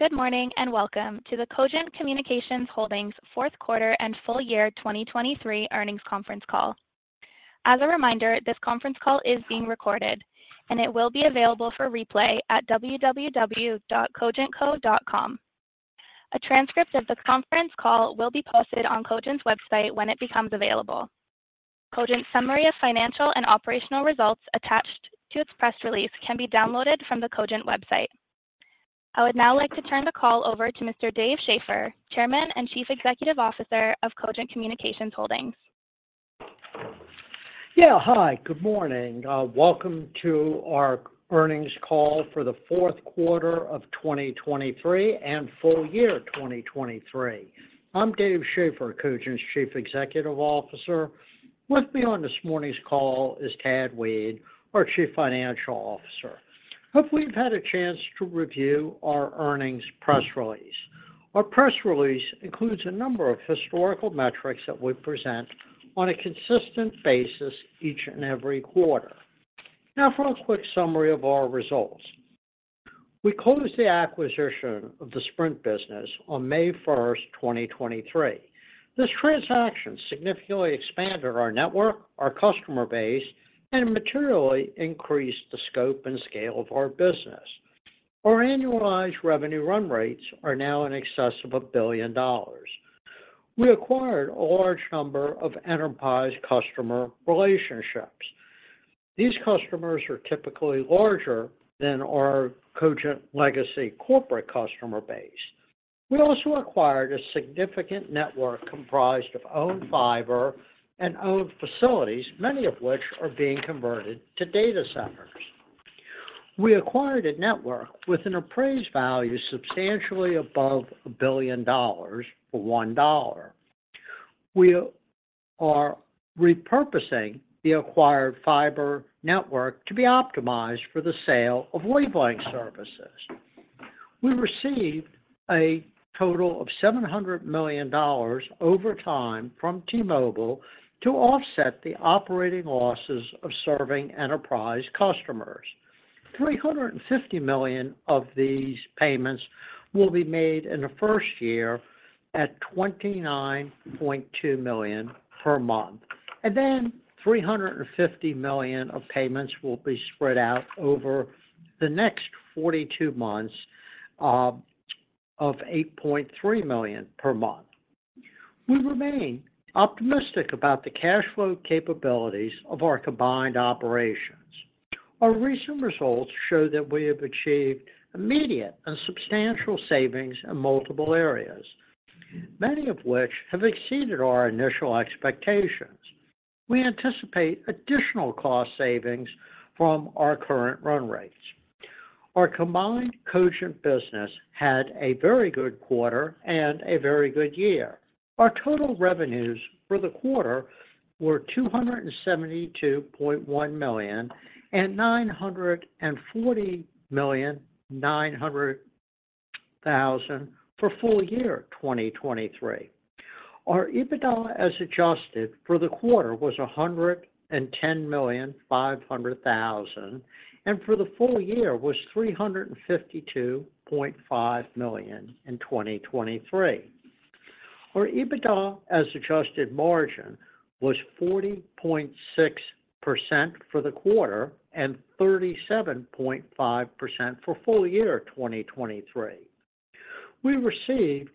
Good morning, and welcome to the Cogent Communications Holdings Fourth Quarter and Full Year 2023 Earnings Conference Call. As a reminder, this conference call is being recorded, and it will be available for replay at www.cogentco.com. A transcript of the conference call will be posted on Cogent's website when it becomes available. Cogent's summary of financial and operational results attached to its press release can be downloaded from the Cogent website. I would now like to turn the call over to Mr. Dave Schaeffer, Chairman and Chief Executive Officer of Cogent Communications Holdings. Yeah. Hi, good morning. Welcome to our earnings call for the Fourth Quarter of 2023 and Full Year 2023. I'm Dave Schaeffer, Cogent's Chief Executive Officer. With me on this morning's call is Tad Weed, our Chief Financial Officer. Hope we've had a chance to review our earnings press release. Our press release includes a number of historical metrics that we present on a consistent basis each and every quarter. Now, for a quick summary of our results. We closed the acquisition of the Sprint business on May first, 2023. This transaction significantly expanded our network, our customer base, and materially increased the scope and scale of our business. Our annualized revenue run rates are now in excess of $1 billion. We acquired a large number of enterprise customer relationships. These customers are typically larger than our Cogent legacy corporate customer base. We also acquired a significant network comprised of owned fiber and owned facilities, many of which are being converted to data centers. We acquired a network with an appraised value substantially above $1 billion for $1. We are repurposing the acquired fiber network to be optimized for the sale of wavelength services. We received a total of $700 million over time from T-Mobile to offset the operating losses of serving enterprise customers. $350 million of these payments will be made in the first year at $29.2 million per month, and then $350 million of payments will be spread out over the next 42 months, of $8.3 million per month. We remain optimistic about the cash flow capabilities of our combined operations. Our recent results show that we have achieved immediate and substantial savings in multiple areas, many of which have exceeded our initial expectations. We anticipate additional cost savings from our current run rates. Our combined Cogent business had a very good quarter and a very good year. Our total revenues for the quarter were $272.1 million and $940.9 million for full year 2023. Our EBITDA as adjusted for the quarter, was $110.5 million, and for the full year was $352.5 million in 2023. Our EBITDA as adjusted margin was 40.6% for the quarter and 37.5% for full year 2023. We received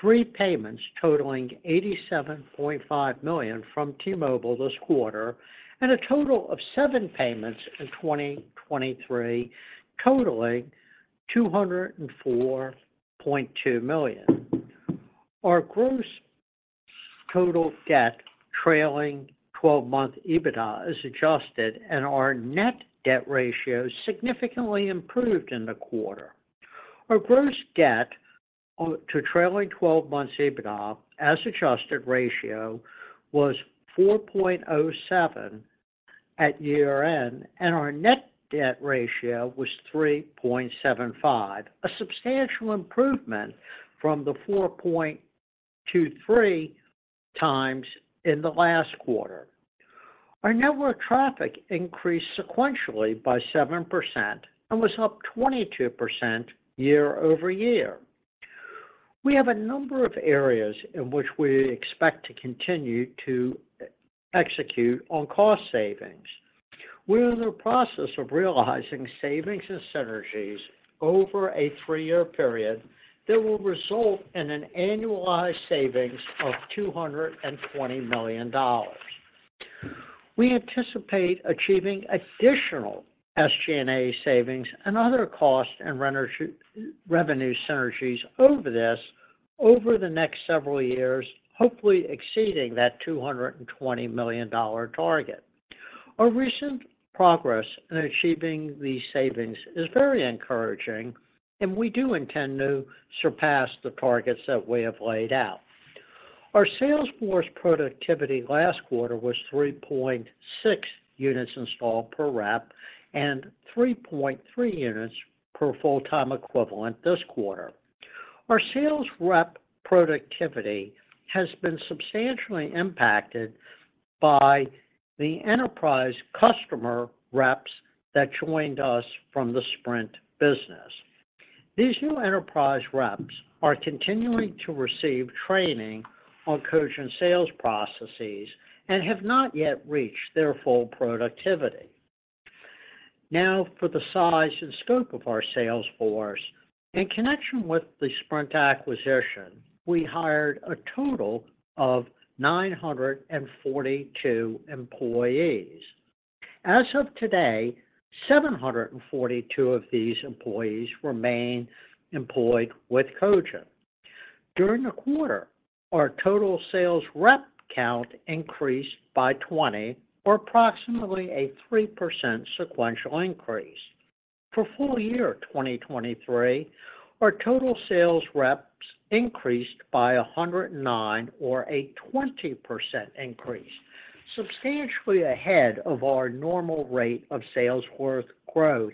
3 payments totaling $87.5 million from T-Mobile this quarter, and a total of seven payments in 2023, totaling $204.2 million. Our gross total debt trailing twelve-month EBITDA is adjusted, and our net debt ratio significantly improved in the quarter. Our gross debt to trailing twelve months EBITDA as adjusted ratio was 4.07 at year-end, and our net debt ratio was 3.75. A substantial improvement from the 4.23x in the last quarter. Our network traffic increased sequentially by 7% and was up 22% year-over-year. We have a number of areas in which we expect to continue to execute on cost savings. We are in the process of realizing savings and synergies over a three-year period that will result in an annualized savings of $220 million. We anticipate achieving additional SG&A savings and other cost and revenue synergies over the next several years, hopefully exceeding that $220 million target. Our recent progress in achieving these savings is very encouraging, and we do intend to surpass the targets that we have laid out. Our sales force productivity last quarter was 3.6 units installed per rep and 3.3 units per full-time equivalent this quarter. Our sales rep productivity has been substantially impacted by the enterprise customer reps that joined us from the Sprint business. These new enterprise reps are continuing to receive training on Cogent sales processes and have not yet reached their full productivity. Now, for the size and scope of our sales force. In connection with the Sprint acquisition, we hired a total of 942 employees. As of today, 742 of these employees remain employed with Cogent. During the quarter, our total sales rep count increased by 20, or approximately a 3% sequential increase. For full year 2023, our total sales reps increased by 109, or a 20% increase, substantially ahead of our normal rate of sales worth growth,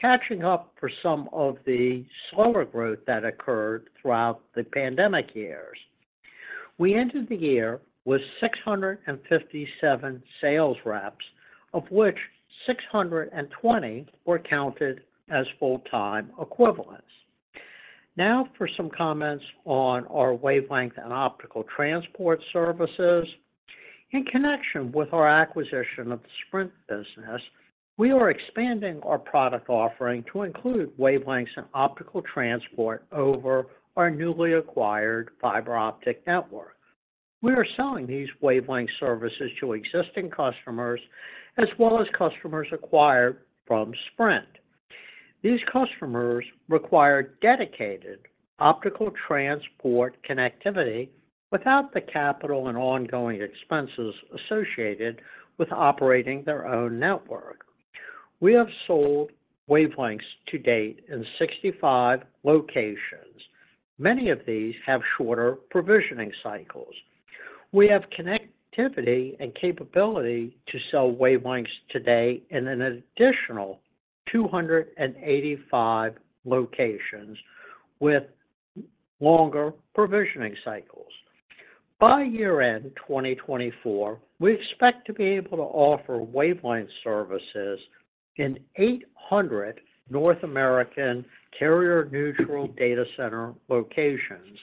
catching up for some of the slower growth that occurred throughout the pandemic years. We ended the year with 657 sales reps, of which 620 were counted as full-time equivalents. Now, for some comments on our wavelength and optical transport services. In connection with our acquisition of the Sprint business, we are expanding our product offering to include wavelengths and optical transport over our newly acquired fiber optic network. We are selling these wavelength services to existing customers, as well as customers acquired from Sprint. These customers require dedicated optical transport connectivity without the capital and ongoing expenses associated with operating their own network. We have sold wavelengths to date in 65 locations. Many of these have shorter provisioning cycles. We have connectivity and capability to sell wavelengths today in an additional 285 locations, with longer provisioning cycles. By year-end 2024, we expect to be able to offer wavelength services in 800 North American carrier-neutral data center locations,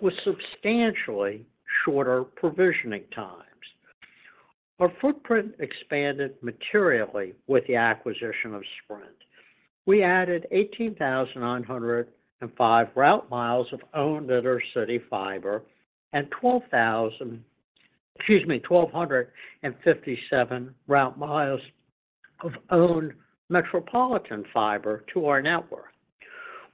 with substantially shorter provisioning times. Our footprint expanded materially with the acquisition of Sprint. We added 18,905 route miles of owned inner-city fiber and 1,257 route miles of owned metropolitan fiber to our network.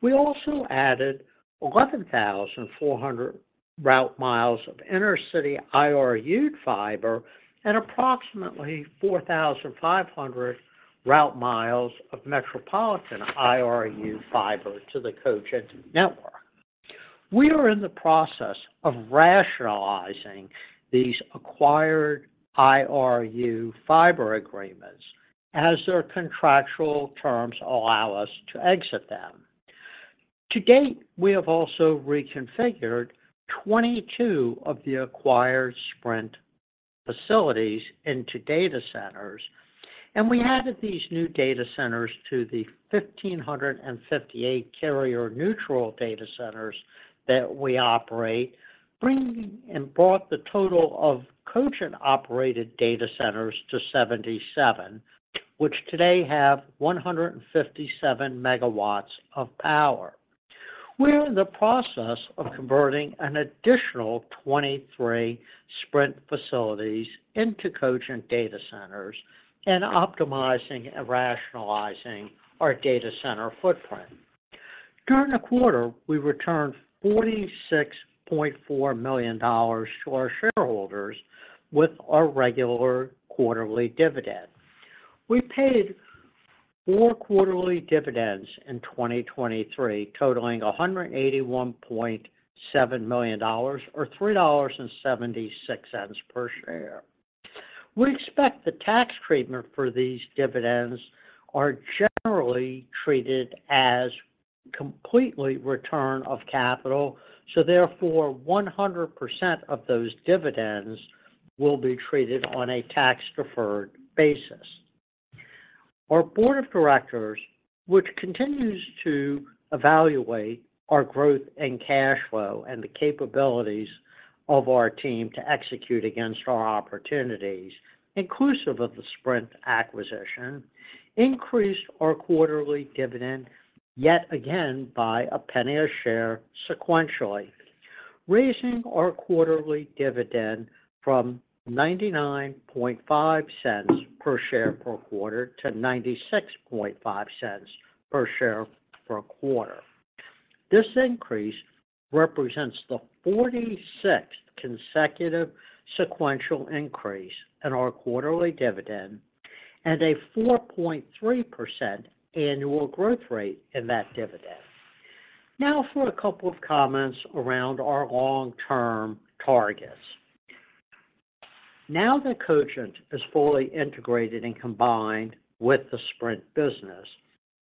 We also added 11,400 route miles of inner-city IRU fiber and approximately 4,500 route miles of metropolitan IRU fiber to the Cogent network. We are in the process of rationalizing these acquired IRU fiber agreements as their contractual terms allow us to exit them. To date, we have also reconfigured 22 of the acquired Sprint facilities into data centers, and we added these new data centers to the 1,558 carrier-neutral data centers that we operate, bringing and brought the total of Cogent-operated data centers to 77, which today have 157 MW of power. We are in the process of converting an additional 23 Sprint facilities into Cogent data centers and optimizing and rationalizing our data center footprint. During the quarter, we returned $46.4 million to our shareholders with our regular quarterly dividend. We paid four quarterly dividends in 2023, totaling $181.7 million, or $3.76 per share. We expect the tax treatment for these dividends are generally treated as completely return of capital, so therefore, 100% of those dividends will be treated on a tax-deferred basis. Our board of directors, which continues to evaluate our growth and cash flow and the capabilities of our team to execute against our opportunities, inclusive of the Sprint acquisition, increased our quarterly dividend yet again by $0.01 per share sequentially, raising our quarterly dividend from $0.995 per share per quarter to $0.965 per share per quarter. This increase represents the 46th consecutive sequential increase in our quarterly dividend and a 4.3% annual growth rate in that dividend. Now, for a couple of comments around our long-term targets. Now that Cogent is fully integrated and combined with the Sprint business,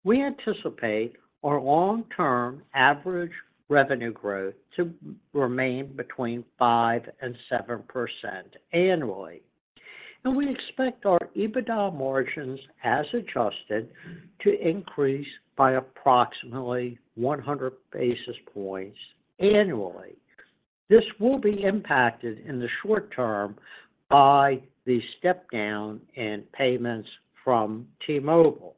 we anticipate our long-term average revenue growth to remain between 5% and 7% annually. And we expect our EBITDA margins, as adjusted, to increase by approximately 100 basis points annually. This will be impacted in the short term by the step down in payments from T-Mobile.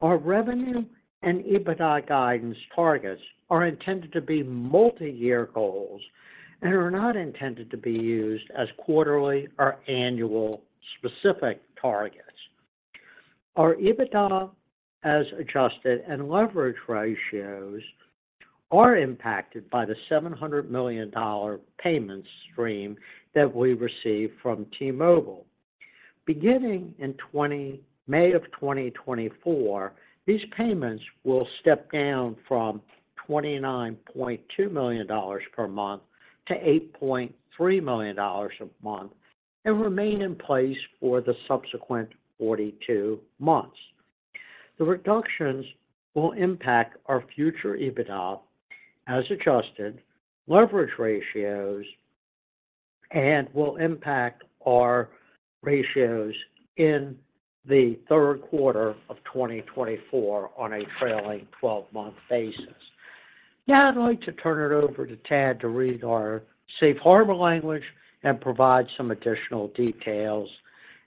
Our revenue and EBITDA guidance targets are intended to be multi-year goals and are not intended to be used as quarterly or annual specific targets. Our EBITDA, as adjusted, and leverage ratios are impacted by the $700 million payment stream that we receive from T-Mobile. Beginning in May of 2024, these payments will step down from $29.2 million per month to $8.3 million a month and remain in place for the subsequent 42 months. The reductions will impact our future EBITDA, as adjusted, leverage ratios, and will impact our ratios in the third quarter of 2024 on a trailing 12-month basis. Now I'd like to turn it over to Tad to read our safe harbor language and provide some additional details,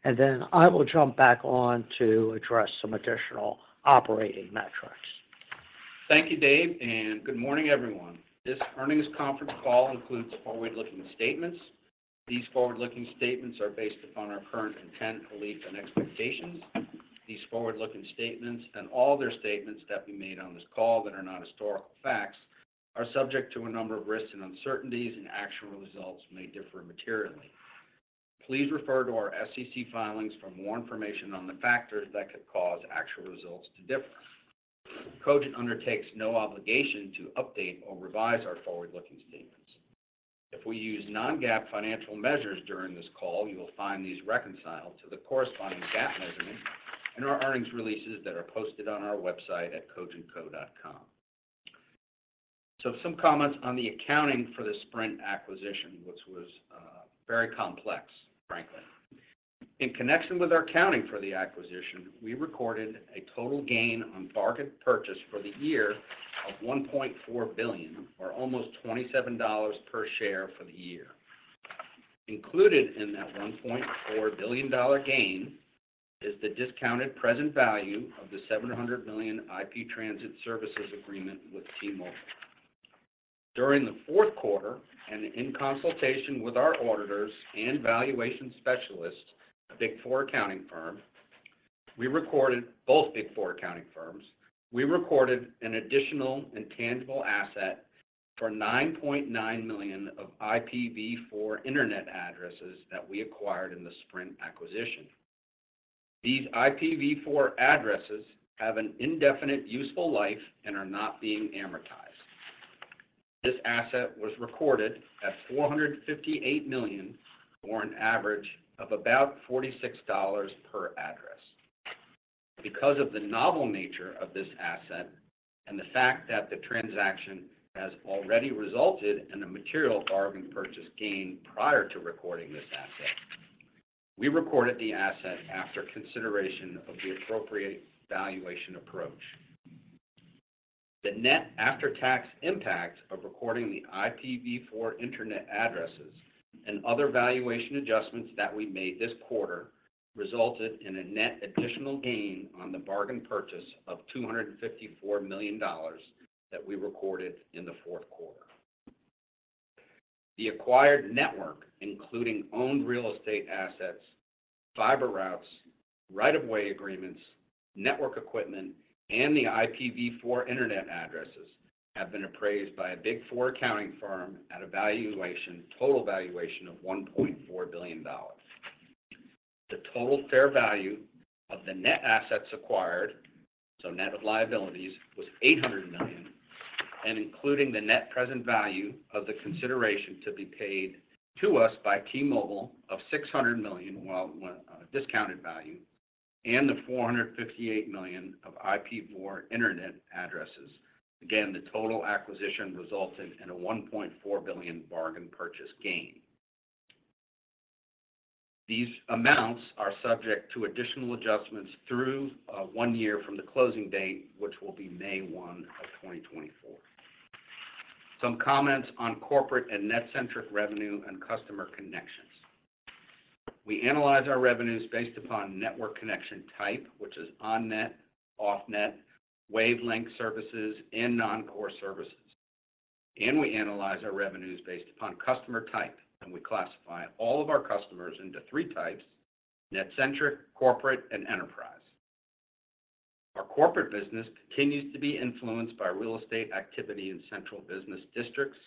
and then I will jump back on to address some additional operating metrics. Thank you, Dave, and good morning, everyone. This earnings conference call includes forward-looking statements. These forward-looking statements are based upon our current intent, beliefs, and expectations. These forward-looking statements and all other statements that we made on this call that are not historical facts, are subject to a number of risks and uncertainties, and actual results may differ materially. Please refer to our SEC filings for more information on the factors that could cause actual results to differ. Cogent undertakes no obligation to update or revise our forward-looking statements. If we use non-GAAP financial measures during this call, you will find these reconciled to the corresponding GAAP measurements in our earnings releases that are posted on our website at cogentco.com. Some comments on the accounting for the Sprint acquisition, which was very complex, frankly. In connection with our accounting for the acquisition, we recorded a total gain on bargain purchase for the year of $1.4 billion, or almost $27 per share for the year. Included in that $1.4 billion dollar gain is the discounted present value of the $700 million IP transit services agreement with T-Mobile. During Q4, and in consultation with our auditors and valuation specialists, a Big Four accounting firm, we recorded, both Big Four accounting firms, we recorded an additional intangible asset for 9.9 million of IPv4 Internet addresses that we acquired in the Sprint acquisition. These IPv4 addresses have an indefinite useful life and are not being amortized. This asset was recorded at $458 million, or an average of about $46 per address. Because of the novel nature of this asset and the fact that the transaction has already resulted in a material Bargain Purchase Gain prior to recording this asset, we recorded the asset after consideration of the appropriate valuation approach. The net after-tax impact of recording the IPv4 Internet addresses and other valuation adjustments that we made this quarter resulted in a net additional gain on the Bargain Purchase of $254 million that we recorded in Q4. The acquired network, including owned real estate assets, fiber routes, right-of-way agreements, network equipment, and the IPv4 Internet addresses, have been appraised by a Big Four accounting firm at a valuation - total valuation of $1.4 billion. The total fair value of the net assets acquired, so net of liabilities, was $800 million, and including the net present value of the consideration to be paid to us by T-Mobile of $600 million, while the discounted value, and the $458 million of IPv4 Internet addresses. Again, the total acquisition resulted in a $1.4 billion bargain purchase gain. These amounts are subject to additional adjustments through one year from the closing date, which will be 1 May 2024. Some comments on corporate and NetCentric revenue and customer connections. We analyze our revenues based upon network connection type, which is on-net, off-net, wavelength services, and non-core services. We analyze our revenues based upon customer type, and we classify all of our customers into three types: net-centric, corporate, and enterprise. Our corporate business continues to be influenced by real estate activity in central business districts.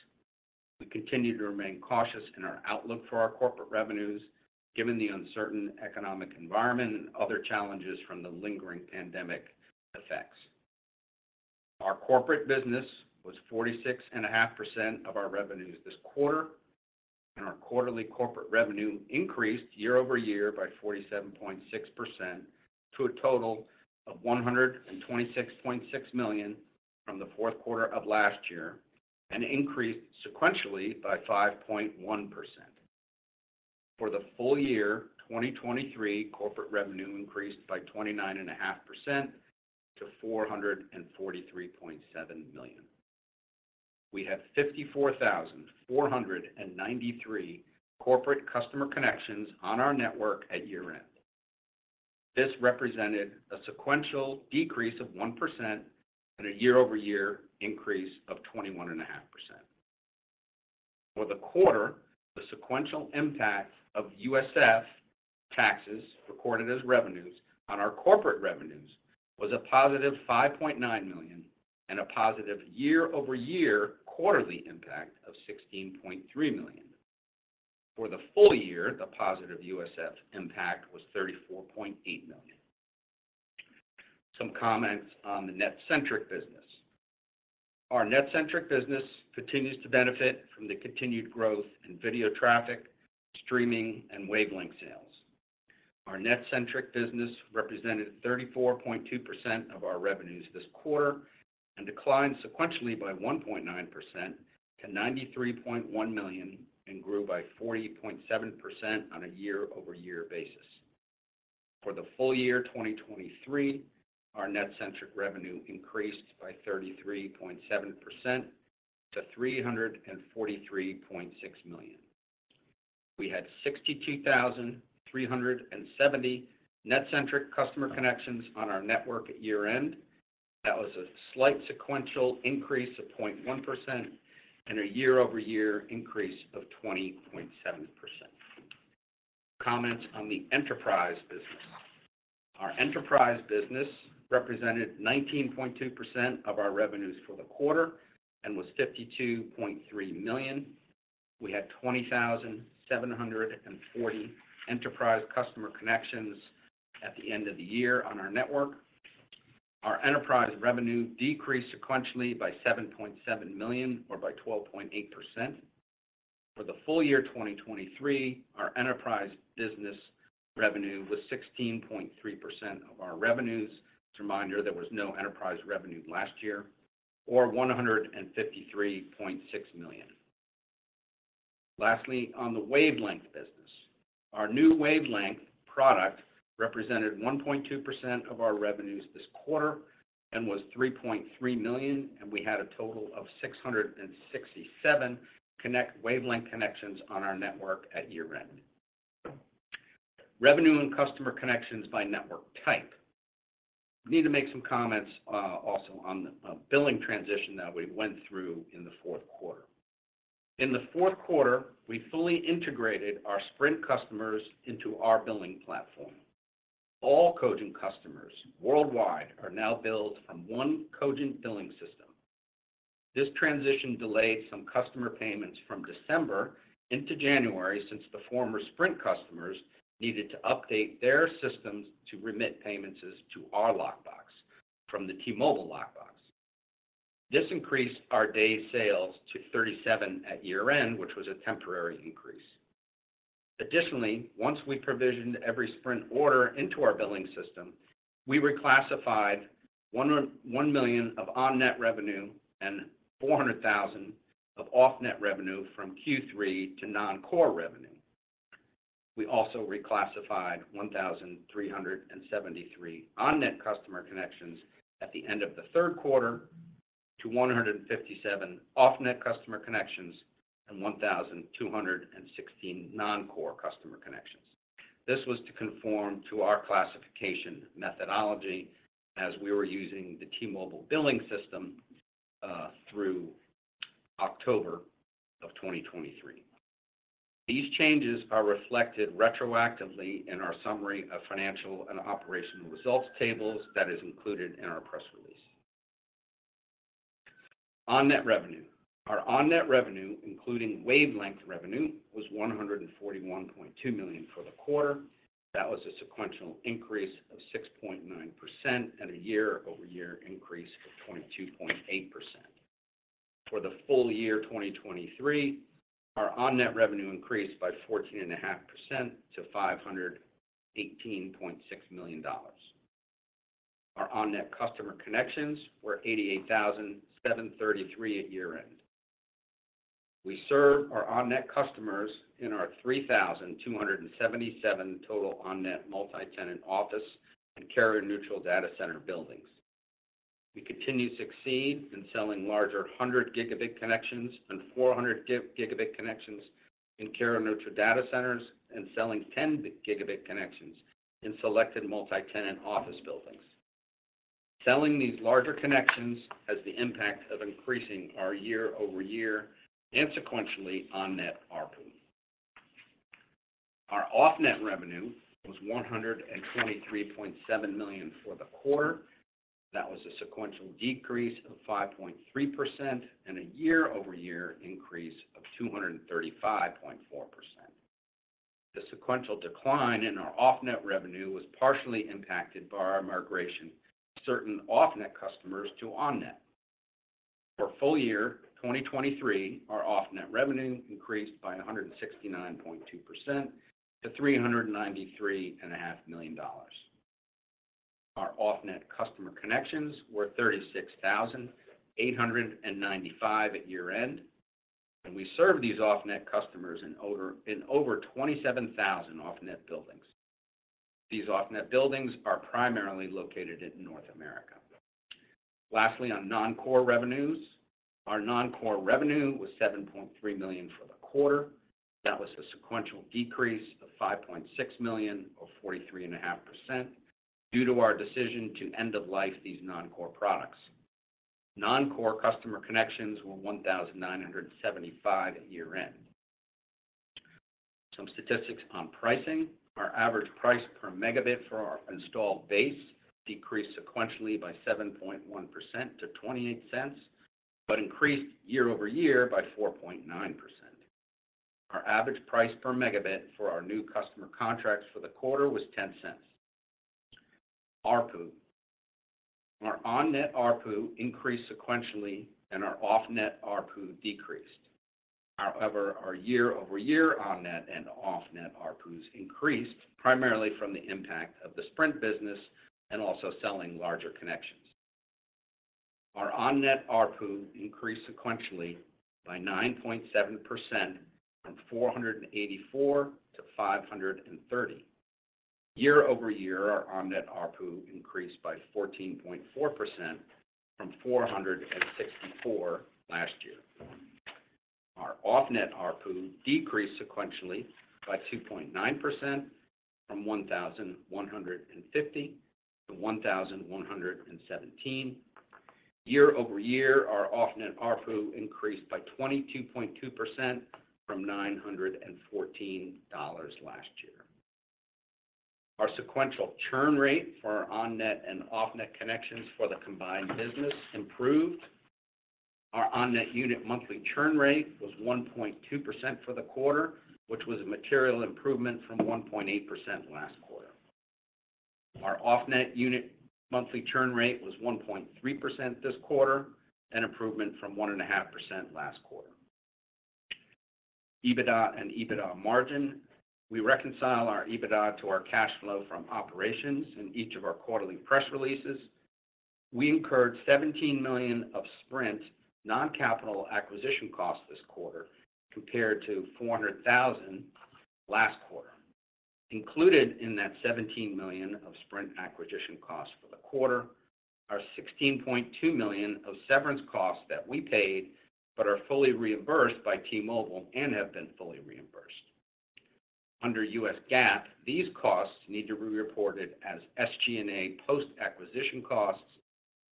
We continue to remain cautious in our outlook for our corporate revenues, given the uncertain economic environment and other challenges from the lingering pandemic effects. Our corporate business was 46.5% of our revenues this quarter, and our quarterly corporate revenue increased year over year by 47.6% to a total of $126.6 million from Q4 of last year, and inc4reased sequentially by 5.1%. For the full year 2023, corporate revenue increased by 29.5% to $443.7 million. We had 54,493 corporate customer connections on our network at year-end. This represented a sequential decrease of 1% and a year-over-year increase of 21.5%. For the quarter, the sequential impact of USF taxes recorded as revenues on our corporate revenues was a positive $5.9 million and a positive year-over-year quarterly impact of $16.3 million. For the full year, the positive USF impact was $34.8 million. Some comments on the NetCentric business. Our NetCentric business continues to benefit from the continued growth in video traffic, streaming, and wavelength sales. Our NetCentric business represented 34.2% of our revenues this quarter, and declined sequentially by 1.9% to $93.1 million, and grew by 40.7% on a year-over-year basis. For the full year 2023, our NetCentric revenue increased by 33.7% to $343.6 million. We had 62,370 NetCentric customer connections on our network at year-end. That was a slight sequential increase of 0.1% and a year-over-year increase of 20.7%. Comments on the enterprise business. Our enterprise business represented 19.2% of our revenues for the quarter and was $52.3 million. We had 20,740 enterprise customer connections at the end of the year on our network. Our enterprise revenue decreased sequentially by $7.7 million, or by 12.8%. For the full year 2023, our enterprise business revenue was 16.3% of our revenues. As a reminder, there was no enterprise revenue last year, or $153.6 million. Lastly, on the wavelength business. Our new wavelength product represented 1.2% of our revenues this quarter and was $3.3 million, and we had a total of 667 wavelength connections on our network at year-end. Revenue and customer connections by network type. We need to make some comments also on the billing transition that we went through in Q4. In Q4, we fully integrated our Sprint customers into our billing platform. All Cogent customers worldwide are now billed from one Cogent billing system. This transition delayed some customer payments from December into January, since the former Sprint customers needed to update their systems to remit payments to our lockbox from the T-Mobile lockbox. This increased our DSO to 37 at year-end, which was a temporary increase. Additionally, once we provisioned every Sprint order into our billing system, we reclassified $1 million of on-net revenue and $400,000 of off-net revenue from Q3 to non-core revenue. We also reclassified 1,373 on-net customer connections at the end of Q3 to 157 off-net customer connections and 1,216 non-core customer connections. This was to conform to our classification methodology as we were using the T-Mobile billing system through October of 2023. These changes are reflected retroactively in our summary of financial and operational results tables that is included in our press release. On-net revenue. Our on-net revenue, including wavelength revenue, was $141.2 million for the quarter. That was a sequential increase of 6.9% and a year-over-year increase of 22.8%. For the full year 2023, our on-net revenue increased by 14.5% to $518.6 million. Our on-net customer connections were 88,733 at year-end. We serve our on-net customers in our 3,277 total on-net multi-tenant office and carrier-neutral data center buildings. We continue to succeed in selling larger 100-gigabit connections and 400-gigabit connections in carrier-neutral data centers and selling 10-gigabit connections in selected multi-tenant office buildings. Selling these larger connections has the impact of increasing our year-over-year and sequentially on-net ARPU. Our off-net revenue was $123.7 million for the quarter. That was a sequential decrease of 5.3% and a year-over-year increase of 235.4%. The sequential decline in our off-net revenue was partially impacted by our migration of certain off-net customers to on-net. For full year 2023, our off-net revenue increased by 169.2% to $393.5 million. Our off-net customer connections were 36,895 at year-end, and we served these off-net customers in over 27,000 off-net buildings. These off-net buildings are primarily located in North America. Lastly, on non-core revenues. Our non-core revenue was $7.3 million for the quarter. That was a sequential decrease of $5.6 million, or 43.5%, due to our decision to end of life these non-core products. Non-core customer connections were 1,975 at year-end. Some statistics on pricing. Our average price per megabit for our installed base decreased sequentially by 7.1% to $0.28, but increased year-over-year by 4.9%. Our average price per megabit for our new customer contracts for the quarter was $0.10. ARPU. Our on-net ARPU increased sequentially, and our off-net ARPU decreased. However, our year-over-year on-net and off-net ARPUs increased, primarily from the impact of the Sprint business and also selling larger connections. Our on-net ARPU increased sequentially by 9.7% from $484 to $530. Year-over-year, our on-net ARPU increased by 14.4% from $464 last year. Our off-net ARPU decreased sequentially by 2.9% from $1,150 to $1,117. Year-over-year, our off-net ARPU increased by 22.2% from $914 last year. Our sequential churn rate for our on-net and off-net connections for the combined business improved. Our on-net unit monthly churn rate was 1.2% for the quarter, which was a material improvement from 1.8% last quarter. Our off-net unit monthly churn rate was 1.3% this quarter, an improvement from 1.5% last quarter. EBITDA and EBITDA margin. We reconcile our EBITDA to our cash flow from operations in each of our quarterly press releases. We incurred $17 million of Sprint non-capital acquisition costs this quarter, compared to $400,000 last quarter. Included in that $17 million of Sprint acquisition costs for the quarter are $16.2 million of severance costs that we paid but are fully reimbursed by T-Mobile, and have been fully reimbursed. Under U.S. GAAP, these costs need to be reported as SG&A post-acquisition costs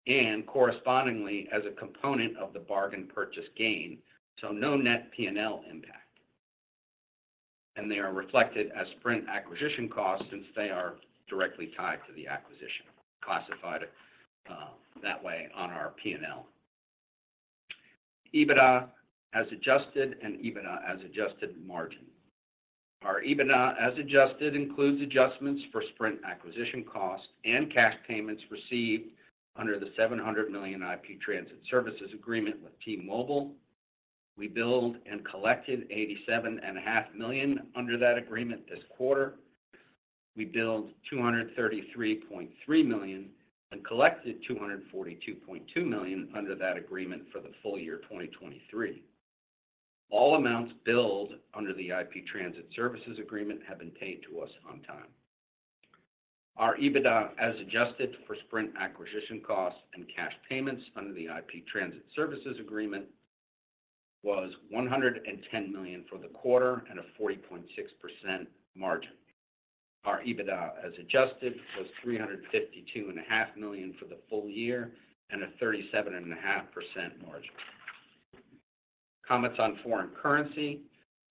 and correspondingly as a component of the bargain purchase gain, so no net P&L impact. They are reflected as Sprint acquisition costs since they are directly tied to the acquisition, classified that way on our P&L. EBITDA as adjusted and EBITDA as adjusted margin. Our EBITDA as adjusted includes adjustments for Sprint acquisition costs and cash payments received under the $700 million IP Transit Services agreement with T-Mobile. We billed and collected $87.5 million under that agreement this quarter. We billed $233.3 million and collected $242.2 million under that agreement for the full year 2023. All amounts billed under the IP Transit Services Agreement have been paid to us on time. Our EBITDA, as adjusted for Sprint acquisition costs and cash payments under the IP Transit Services Agreement, was $110 million for the quarter and a 40.6% margin. Our EBITDA, as adjusted, was $352.5 million for the full year and a 37.5% margin. Comments on foreign currency.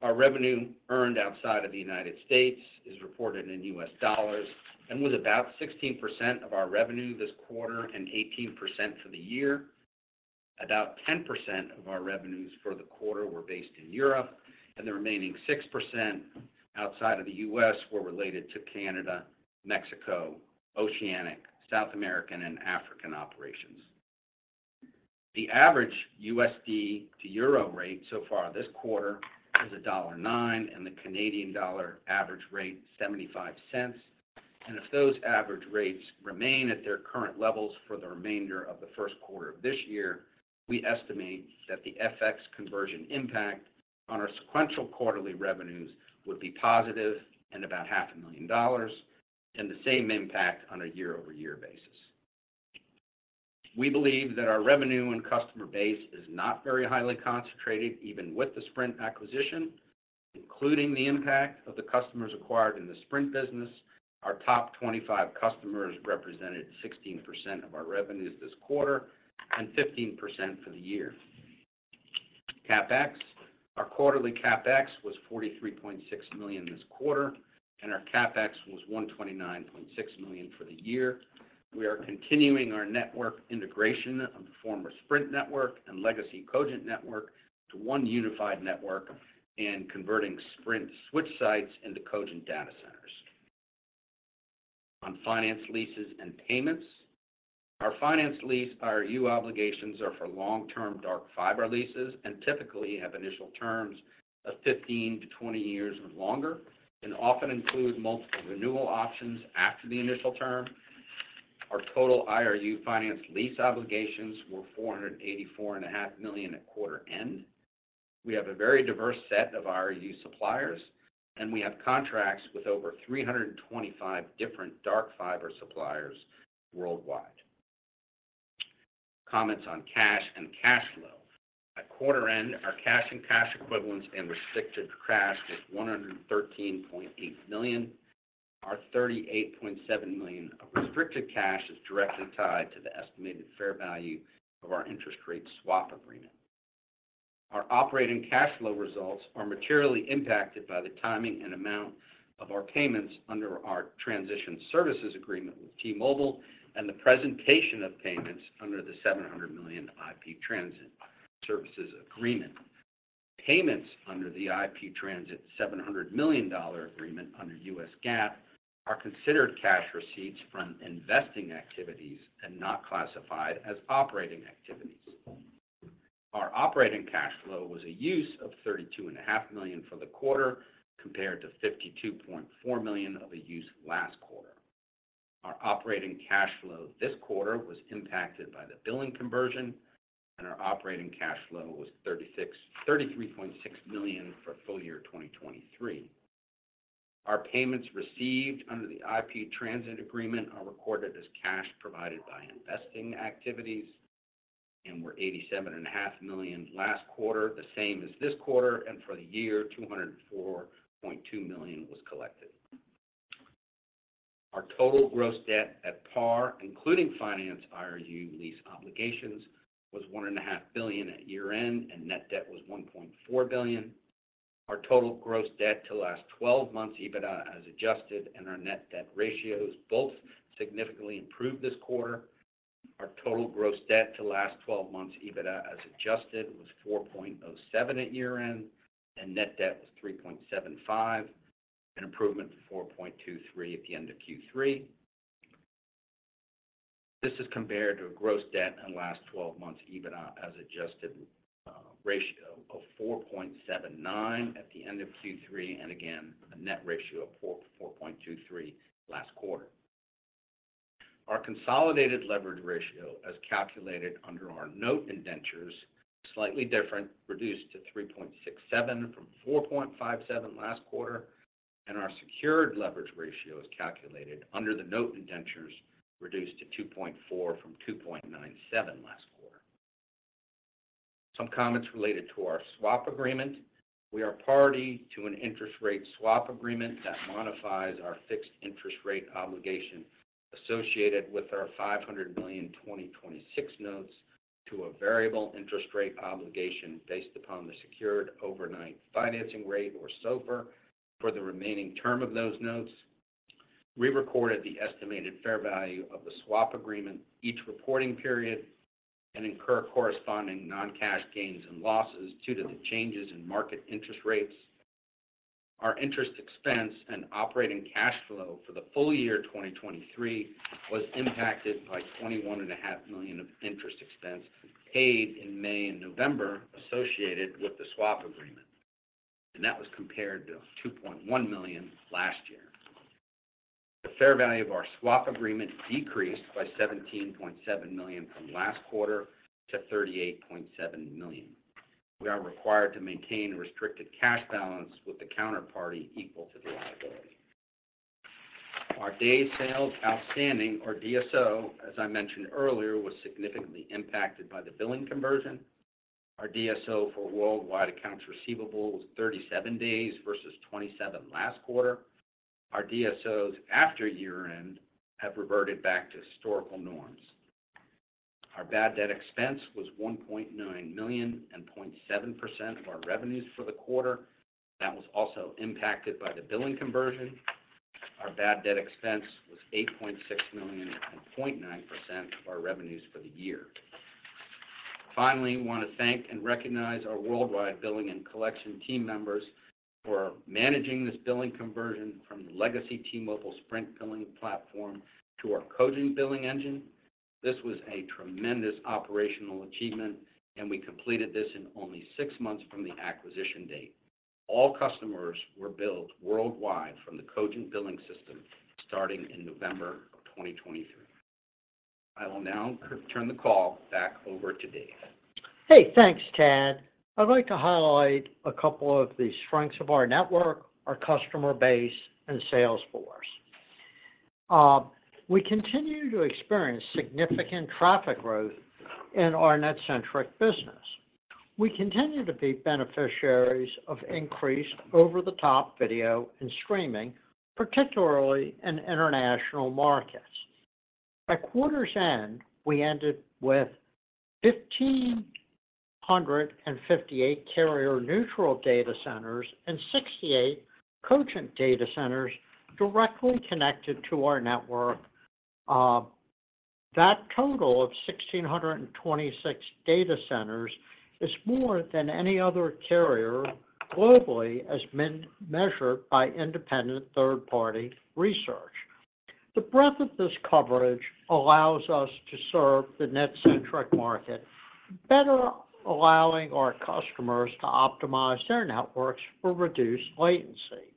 Our revenue earned outside of the United States is reported in U.S. dollars and was about 16% of our revenue this quarter, and 18% for the year. About 10% of our revenues for the quarter were based in Europe, and the remaining 6% outside of the US were related to Canada, Mexico, Oceanic, South American, and African operations. The average USD to euro rate so far this quarter is $1.09, and the Canadian dollar average rate, 75 cents. If those average rates remain at their current levels for the remainder of Q1 of this year, we estimate that the FX conversion impact on our sequential quarterly revenues would be positive and about $500,000, and the same impact on a year-over-year basis. We believe that our revenue and customer base is not very highly concentrated, even with the Sprint acquisition. Including the impact of the customers acquired in the Sprint business, our top 25 customers represented 16% of our revenues this quarter and 15% for the year. CapEx. Our quarterly CapEx was $43.6 million this quarter, and our CapEx was $129.6 million for the year. We are continuing our network integration of the former Sprint network and legacy Cogent network to one unified network, and converting Sprint switch sites into Cogent data centers. On finance leases and payments. Our finance lease, IRU obligations are for long-term dark fiber leases, and typically have initial terms of 15-20 years or longer, and often include multiple renewal options after the initial term. Our total IRU finance lease obligations were $484.5 million at quarter end. We have a very diverse set of IRU suppliers, and we have contracts with over 325 different dark fiber suppliers worldwide. Comments on cash and cash flow. At quarter end, our cash and cash equivalents and restricted cash was $113.8 million. Our $38.7 million of restricted cash is directly tied to the estimated fair value of our interest rate swap agreement. Our operating cash flow results are materially impacted by the timing and amount of our payments under our transition services agreement with T-Mobile, and the presentation of payments under the $700 million IP Transit Services Agreement. Payments under the IP Transit $700 million dollar agreement under U.S. GAAP, are considered cash receipts from investing activities and not classified as operating activities. Our operating cash flow was a use of $32.5 million for the quarter, compared to $52.4 million of a use last quarter. Our operating cash flow this quarter was impacted by the billing conversion, and our operating cash flow was $33.6 million for full year 2023. Our payments received under the IP Transit Agreement are recorded as cash provided by investing activities, and were $87.5 million last quarter, the same as this quarter, and for the year, $204.2 million was collected. Our total gross debt at par, including finance IRU lease obligations, was $1.5 billion at year-end, and net debt was $1.4 billion. Our total gross debt to last twelve months, EBITDA as adjusted, and our net debt ratios both significantly improved this quarter. Our total gross debt to last twelve months, EBITDA as adjusted, was 4.07 at year-end, and net debt was 3.75, an improvement to 4.23 at the end of Q3. This is compared to a gross debt in the last twelve months, EBITDA as adjusted, ratio of 4.79 at the end of Q3, and again, a net ratio of 4.23 last quarter. Our consolidated leverage ratio, as calculated under our note indentures, slightly different, reduced to 3.67 from 4.57 last quarter, and our secured leverage ratio is calculated under the note indentures, reduced to 2.4 from 2.97 last quarter. Some comments related to our swap agreement. We are party to an interest rate swap agreement that modifies our fixed interest rate obligation associated with our $500 million 2026 notes to a variable interest rate obligation based upon the secured overnight financing rate, or SOFR, for the remaining term of those notes. We recorded the estimated fair value of the swap agreement each reporting period and incur corresponding non-cash gains and losses due to the changes in market interest rates. Our interest expense and operating cash flow for the full year 2023 was impacted by $21.5 million of interest expense paid in May and November, associated with the swap agreement, and that was compared to $2.1 million last year. The fair value of our swap agreement decreased by $17.7 million from last quarter to $38.7 million. We are required to maintain a restricted cash balance with the counterparty equal to the liability. Our days sales outstanding, or DSO, as I mentioned earlier, was significantly impacted by the billing conversion. Our DSO for worldwide accounts receivable was 37 days versus 27 last quarter. Our DSOs after year-end have reverted back to historical norms. Our bad debt expense was $1.9 million and 0.7% of our revenues for the quarter. That was also impacted by the billing conversion. Our bad debt expense was $8.6 million and 0.9% of our revenues for the year. Finally, we want to thank and recognize our worldwide billing and collection team members for managing this billing conversion from the legacy T-Mobile Sprint billing platform to our Cogent billing engine. This was a tremendous operational achievement, and we completed this in only six months from the acquisition date. All customers were billed worldwide from the Cogent billing system starting in November 2023. I will now turn the call back over to Dave. Hey, thanks, Tad. I'd like to highlight a couple of the strengths of our network, our customer base, and sales force. We continue to experience significant traffic growth in our NetCentric business. We continue to be beneficiaries of increased over-the-top video and streaming, particularly in international markets. By quarter's end, we ended with 1,558 carrier-neutral data centers and 68 Cogent data centers directly connected to our network. That total of 1,626 data centers is more than any other carrier globally, as measured by independent third-party research. The breadth of this coverage allows us to serve the net-centric market better, allowing our customers to optimize their networks for reduced latency.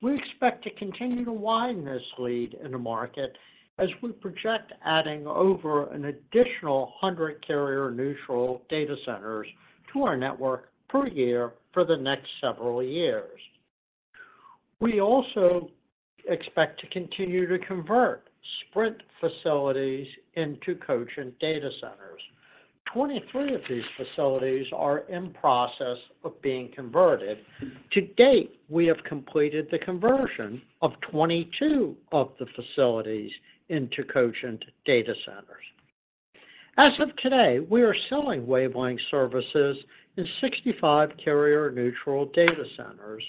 We expect to continue to widen this lead in the market, as we project adding over an additional 100 carrier-neutral data centers to our network per year for the next several years. We also expect to continue to convert Sprint facilities into Cogent data centers. 23 of these facilities are in process of being converted. To date, we have completed the conversion of 22 of the facilities into Cogent data centers. As of today, we are selling wavelength services in 65 carrier-neutral data centers.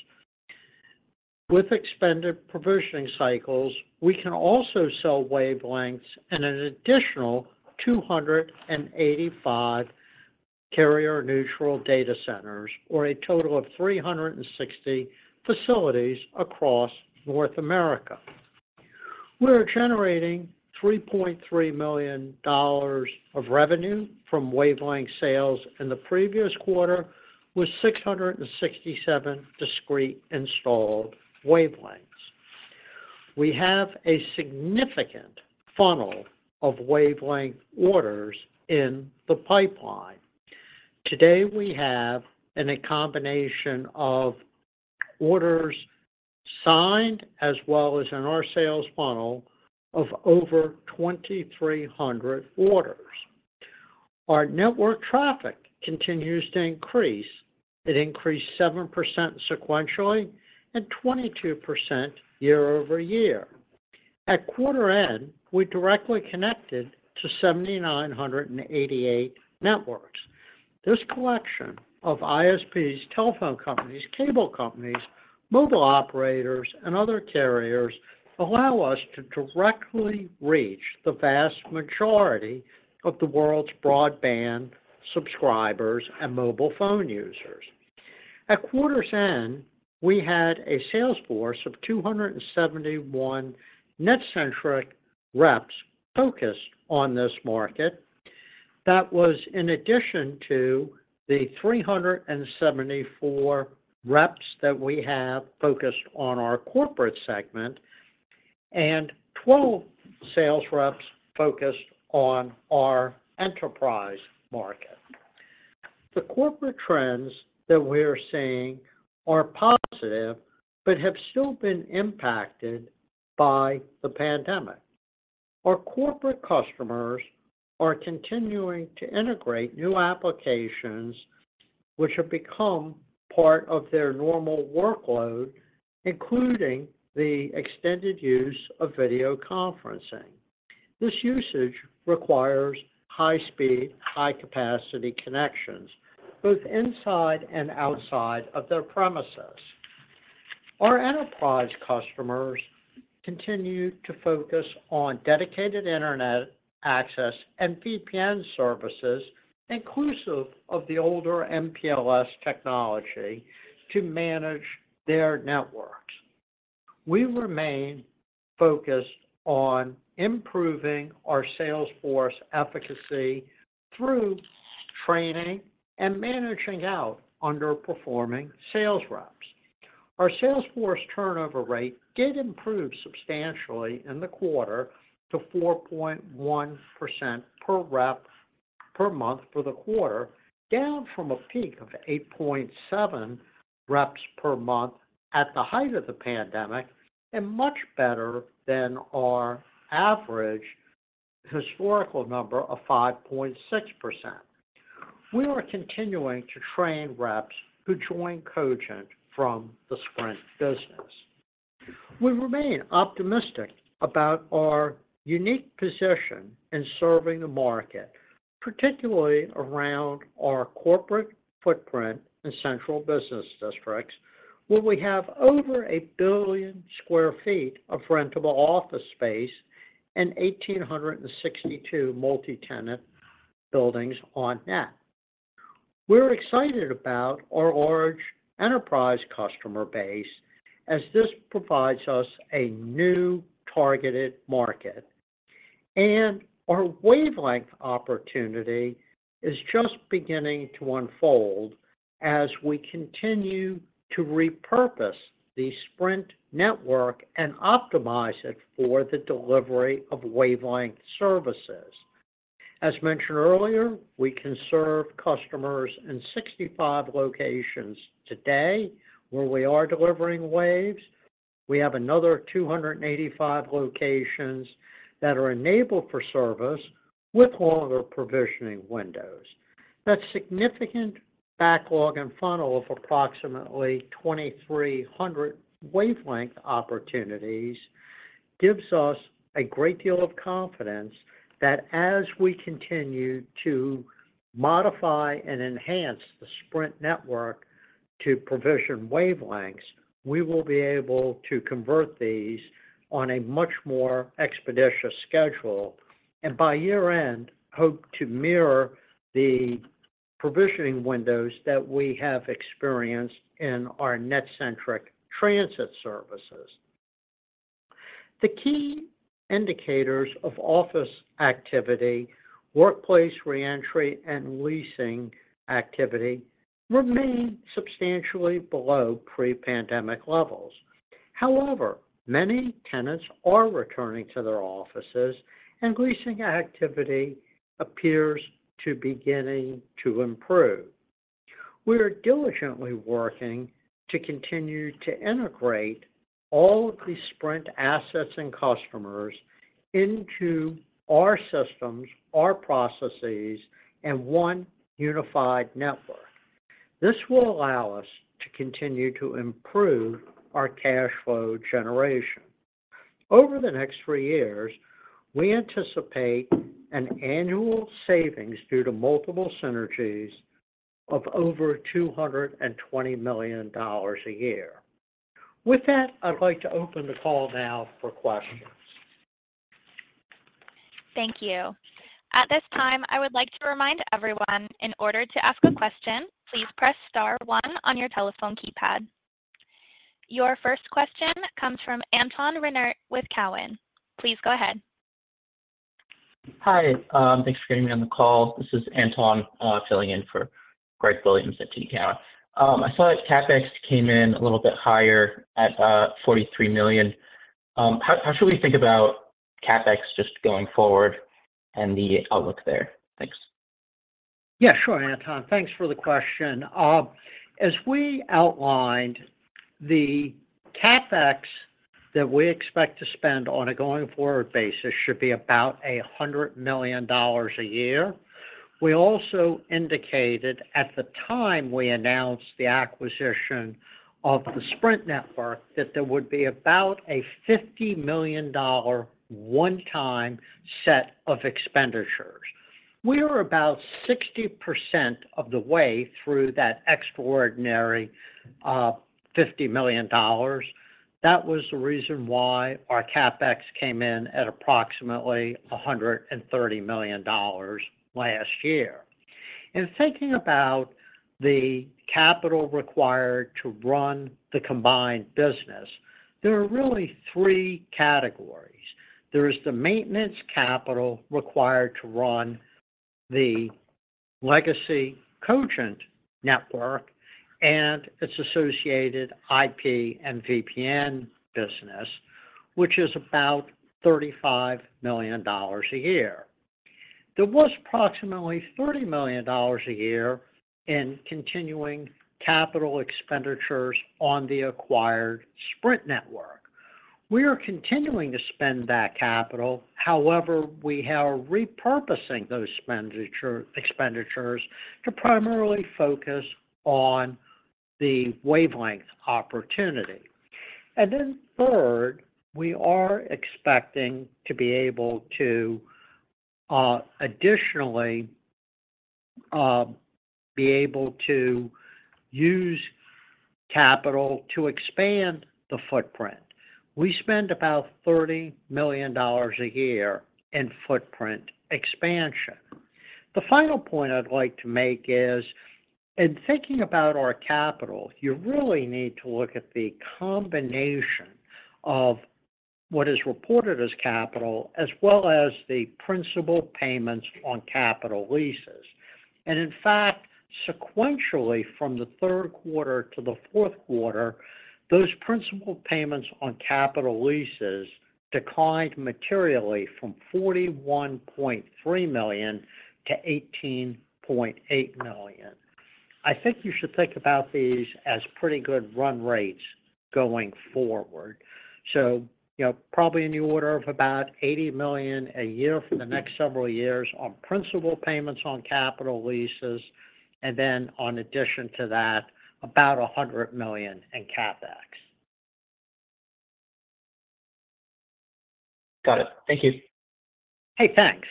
With expanded provisioning cycles, we can also sell wavelengths in an additional 285 carrier-neutral data centers, or a total of 360 facilities across North America. We are generating $3.3 million of revenue from wavelength sales in the previous quarter, with 667 discrete installed wavelengths. We have a significant funnel of wavelength orders in the pipeline. Today, we have in a combination of orders signed as well as in our sales funnel of over 2,300 orders. Our network traffic continues to increase. It increased 7% sequentially and 22% year-over-year. At quarter end, we directly connected to 7,988 networks. This collection of ISPs, telephone companies, cable companies, mobile operators, and other carriers, allow us to directly reach the vast majority of the world's broadband subscribers and mobile phone users. At quarter's end, we had a sales force of 271 NetCentric reps focused on this market. That was in addition to the 374 reps that we have focused on our corporate segment and 12 sales reps focused on our enterprise market. The corporate trends that we're seeing are positive, but have still been impacted by the pandemic. Our corporate customers are continuing to integrate new applications, which have become part of their normal workload, including the extended use of video conferencing. This usage requires high speed, high capacity connections, both inside and outside of their premises. Our enterprise customers continue to focus on dedicated internet access and VPN services, inclusive of the older MPLS technology, to manage their networks. We remain focused on improving our sales force efficacy through training and managing out underperforming sales reps. Our sales force turnover rate did improve substantially in the quarter to 4.1% per rep, per month for the quarter, down from a peak of 8.7 reps per month at the height of the pandemic, and much better than our average historical number of 5.6%. We are continuing to train reps who join Cogent from the Sprint business. We remain optimistic about our unique position in serving the market, particularly around our corporate footprint in central business districts, where we have over 1 billion sq ft of rentable office space and 1,862 multi-tenant buildings on-net. We're excited about our on-net enterprise customer base, as this provides us a new targeted market, and our wavelength opportunity is just beginning to unfold as we continue to repurpose the Sprint network and optimize it for the delivery of wavelength services. As mentioned earlier, we can serve customers in 65 locations today, where we are delivering waves. We have another 285 locations that are enabled for service with longer provisioning windows. That significant backlog and funnel of approximately 2,300 wavelength opportunities gives us a great deal of confidence that as we continue to modify and enhance the Sprint network to provision wavelengths, we will be able to convert these on a much more expeditious schedule, and by year-end, hope to mirror the provisioning windows that we have experienced in our NetCentric transit services. The key indicators of office activity, workplace reentry, and leasing activity remain substantially below pre-pandemic levels. However, many tenants are returning to their offices, and leasing activity appears to beginning to improve. We are diligently working to continue to integrate all of the Sprint assets and customers into our systems, our processes, and one unified network. This will allow us to continue to improve our cash flow generation. Over the next three years, we anticipate an annual savings due to multiple synergies of over $220 million a year. With that, I'd like to open the call now for questions. Thank you. At this time, I would like to remind everyone, in order to ask a question, please press star one on your telephone keypad. Your first question comes from Anton Rinnert with Cowen. Please go ahead. Hi, thanks for getting me on the call. This is Anton, filling in for Greg Williams at TD Cowen. I saw that CapEx came in a little bit higher at $43 million. How should we think about CapEx just going forward and the outlook there? Thanks. Yeah, sure, Anton. Thanks for the question. As we outlined, the CapEx that we expect to spend on a going-forward basis should be about $100 million a year. We also indicated at the time we announced the acquisition of the Sprint network, that there would be about a $50 million one-time set of expenditures. We are about 60% of the way through that extraordinary $50 million. That was the reason why our CapEx came in at approximately $130 million last year. In thinking about the capital required to run the combined business, there are really three categories. There is the maintenance capital required to run the legacy Cogent network and its associated IP and VPN business, which is about $35 million a year. There was approximately $30 million a year in continuing capital expenditures on the acquired Sprint network. We are continuing to spend that capital, however, we are repurposing those expenditures to primarily focus on the wavelength opportunity. And then third, we are expecting to be able to additionally be able to use capital to expand the footprint. We spend about $30 million a year in footprint expansion. The final point I'd like to make is, in thinking about our capital, you really need to look at the combination of what is reported as capital, as well as the principal payments on capital leases. And in fact, sequentially, from Q3 to Q4, those principal payments on capital leases declined materially from $41.3 million to $18.8 million. I think you should think about these as pretty good run rates going forward. So, you know, probably in the order of about $80 million a year for the next several years on principal payments on capital leases, and then in addition to that, about $100 million in CapEx. Got it. Thank you. Hey, thanks.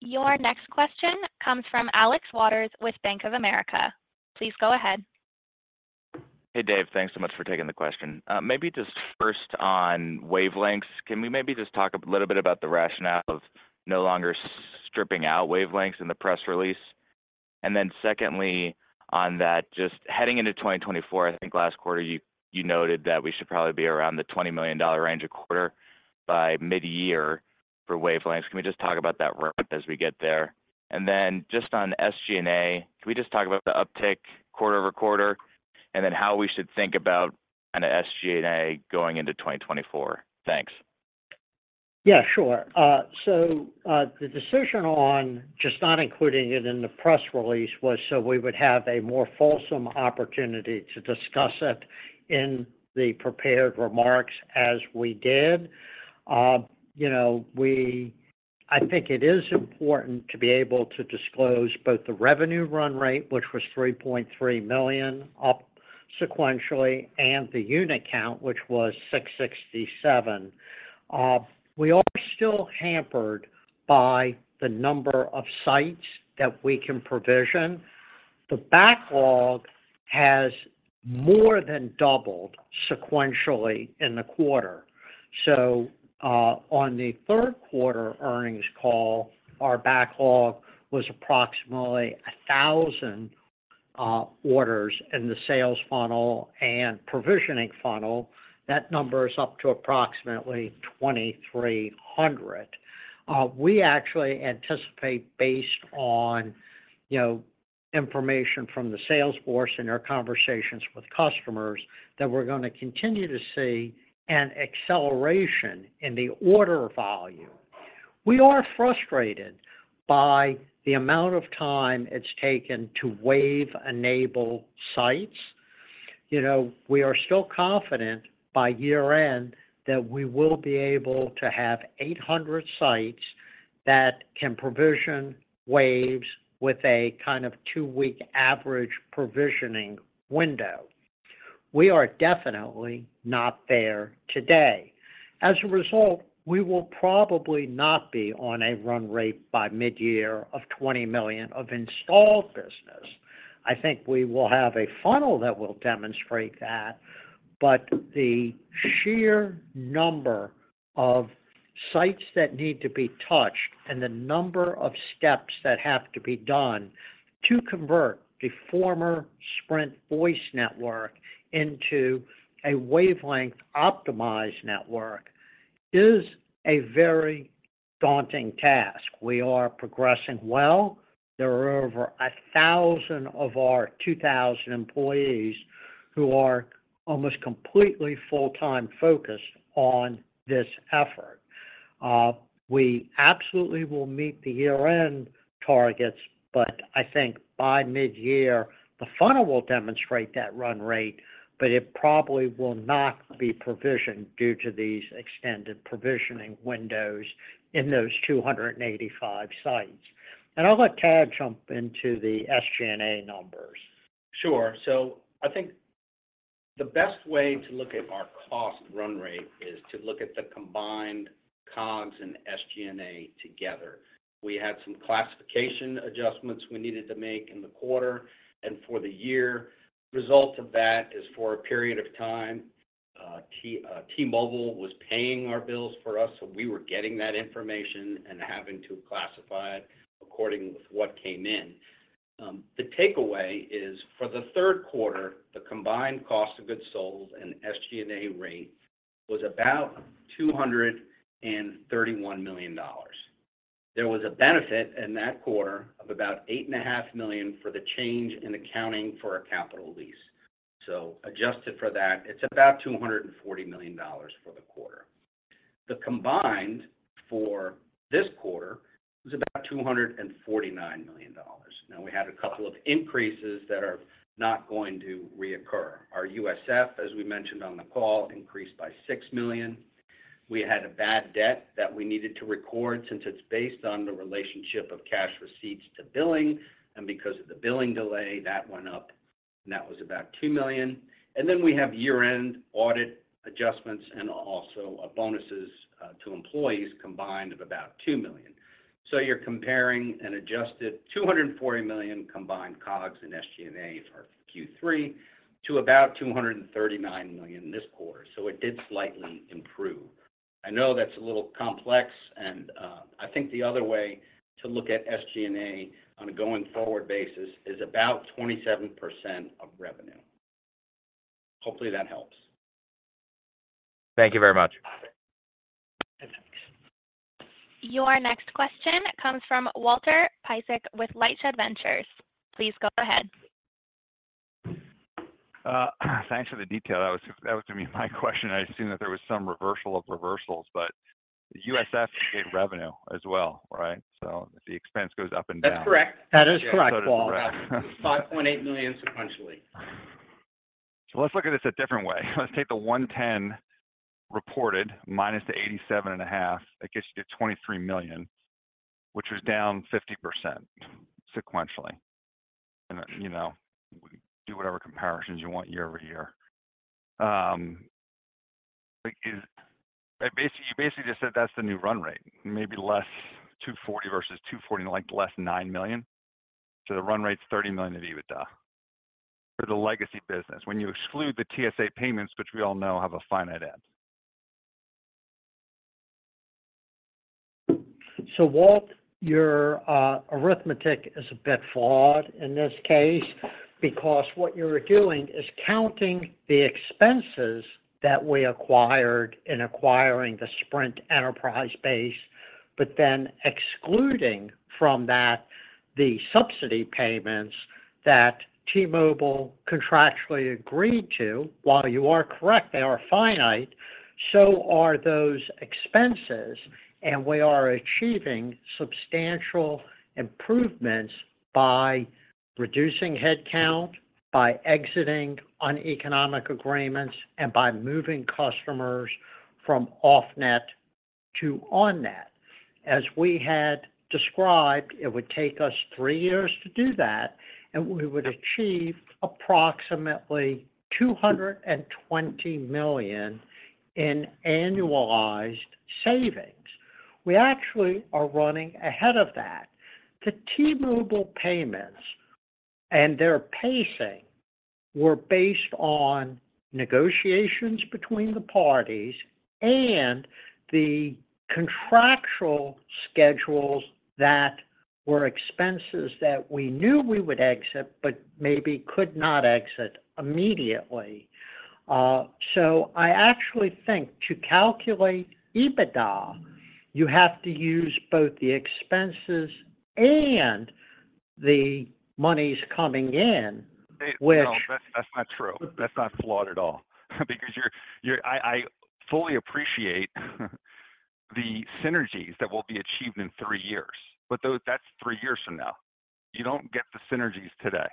Your next question comes from Alex Waters with Bank of America. Please go ahead. Hey, Dave. Thanks so much for taking the question. Maybe just first on wavelengths, can we maybe just talk a little bit about the rationale of no longer stripping out wavelengths in the press release? And then secondly, on that, just heading into 2024, I think last quarter, you, you noted that we should probably be around the $20 million range a quarter by mid-year for wavelengths. Can we just talk about that ramp as we get there? And then just on SG&A, can we just talk about the uptick quarter-over-quarter, and then how we should think about an SG&A going into 2024? Thanks. Yeah, sure. The decision on just not including it in the press release was so we would have a more fulsome opportunity to discuss it in the prepared remarks as we did. You know, I think it is important to be able to disclose both the revenue run rate, which was $3.3 million sequentially, and the unit count, which was 667. We are still hampered by the number of sites that we can provision. The backlog has more than doubled sequentially in the quarter. So, on Q3 Earnings Call, our backlog was approximately 1,000 orders in the sales funnel and provisioning funnel. That number is up to approximately 2,300. We actually anticipate, based on, you know, information from the sales force and our conversations with customers, that we're gonna continue to see an acceleration in the order volume. We are frustrated by the amount of time it's taken to waves-enable sites. You know, we are still confident by year-end, that we will be able to have 800 sites that can provision waves with a kind of two-week average provisioning window. We are definitely not there today. As a result, we will probably not be on a run rate by mid-year of 20 million of installed business. I think we will have a funnel that will demonstrate that, but the sheer number of sites that need to be touched and the number of steps that have to be done to convert the former Sprint voice network into a wavelength-optimized network, is a very daunting task. We are progressing well. There are over 1,000 of our 2,000 employees who are almost completely full-time focused on this effort. We absolutely will meet the year-end targets, but I think by mid-year, the funnel will demonstrate that run rate, but it probably will not be provisioned due to these extended provisioning windows in those 285 sites. I'll let Tad jump into the SG&A numbers. Sure. So I think the best way to look at our cost run rate is to look at the combined COGS and SG&A together. We had some classification adjustments we needed to make in the quarter and for the year. Results of that is for a period of time, T-Mobile was paying our bills for us, so we were getting that information and having to classify it according with what came in. The takeaway is, for Q3, the combined cost of goods sold and SG&A rate was about $231 million. There was a benefit in that quarter of about $8.5 million for the change in accounting for our capital lease. So adjusted for that, it's about $240 million for the quarter. The combined for this quarter is about $249 million. Now, we had a couple of increases that are not going to reoccur. Our USF, as we mentioned on the call, increased by $6 million. We had a bad debt that we needed to record since it's based on the relationship of cash receipts to billing, and because of the billing delay, that went up, and that was about $2 million. And then, we have year-end audit adjustments and also bonuses to employees combined of about $2 million. So you're comparing an adjusted $240 million combined COGS and SG&A for Q3 to about $239 million this quarter. So it did slightly improve. I know that's a little complex, and, I think the other way to look at SG&A on a going forward basis is about 27% of revenue. Hopefully, that helps. Thank you very much. Thanks. Your next question comes from Walter Piecyk with Lightshed Ventures. Please go ahead. Thanks for the detail. That was, that was gonna be my question. I assumed that there was some reversal of reversals, but USF is revenue as well, right? So the expense goes up and down. That's correct. That is correct, Walt. $5.8 million sequentially. So let's look at this a different way. Let's take the $110 million reported minus the $87.5 million. That gets you to $23 million, which is down 50% sequentially. And, you know, do whatever comparisons you want year-over-year. Basically, you basically just said that's the new run rate, maybe less 240 versus 240, like, less $9 million. So the run rate's $30 million EBITDA for the legacy business, when you exclude the TSA payments, which we all know have a finite end. So Walt, your arithmetic is a bit flawed in this case, because what you're doing is counting the expenses that we acquired in acquiring the Sprint enterprise base, but then excluding from that the subsidy payments that T-Mobile contractually agreed to. While you are correct, they are finite, so are those expenses, and we are achieving substantial improvements by reducing headcount, by exiting uneconomic agreements, and by moving customers from off-net to on-net. As we had described, it would take us three years to do that, and we would achieve approximately $220 million in annualized savings. We actually are running ahead of that. The T-Mobile payments and their pacing were based on negotiations between the parties and the contractual schedules that were expenses that we knew we would exit, but maybe could not exit immediately. So I actually think to calculate EBITDA, you have to use both the expenses and the monies coming in, which- No, that's not true. That's not flawed at all. Because you're—I fully appreciate the synergies that will be achieved in three years, but that's three years from now. You don't get the synergies today.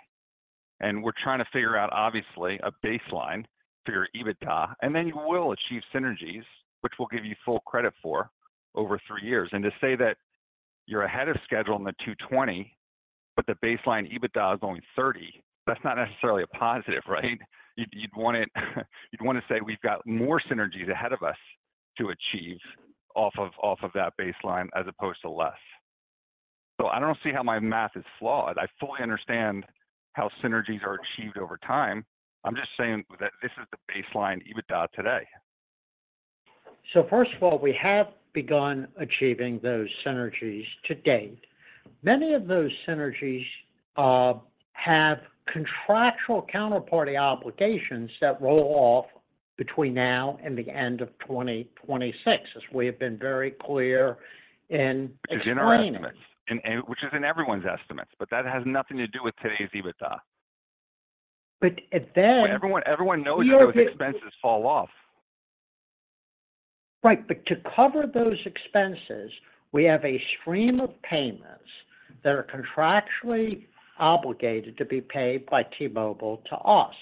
We're trying to figure out, obviously, a baseline for your EBITDA, and then you will achieve synergies, which we'll give you full credit for over three years. To say that you're ahead of schedule in 2020, but the baseline EBITDA is only $30, that's not necessarily a positive, right? You'd want to say we've got more synergies ahead of us to achieve off of that baseline, as opposed to less. So I don't see how my math is flawed. I fully understand how synergies are achieved over time. I'm just saying that this is the baseline EBITDA today. First of all, we have begun achieving those synergies to date. Many of those synergies have contractual counterparty obligations that roll off between now and the end of 2026, as we have been very clear in explaining. It's in our estimates, and which is in everyone's estimates, but that has nothing to do with today's EBITDA. Everyone, everyone knows those expenses fall off. Right, but to cover those expenses, we have a stream of payments that are contractually obligated to be paid by T-Mobile to us.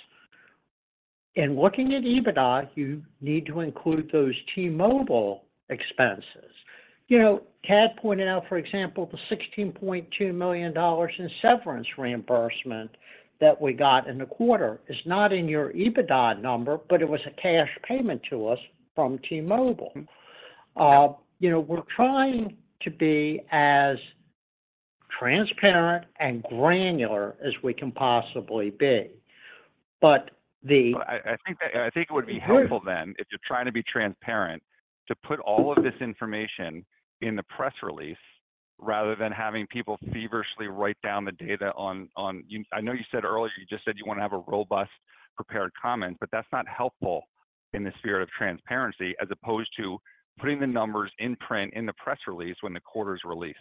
In looking at EBITDA, you need to include those T-Mobile expenses. You know, Tad pointed out, for example, the $16.2 million in severance reimbursement that we got in the quarter is not in your EBITDA number, but it was a cash payment to us from T-Mobile. You know, we're trying to be as transparent and granular as we can possibly be, but the- I think it would be helpful then, if you're trying to be transparent, to put all of this information in the press release, rather than having people feverishly write down the data. I know you said earlier, you just said you want to have a robust prepared comment, but that's not helpful in the spirit of transparency, as opposed to putting the numbers in print in the press release when the quarter's released.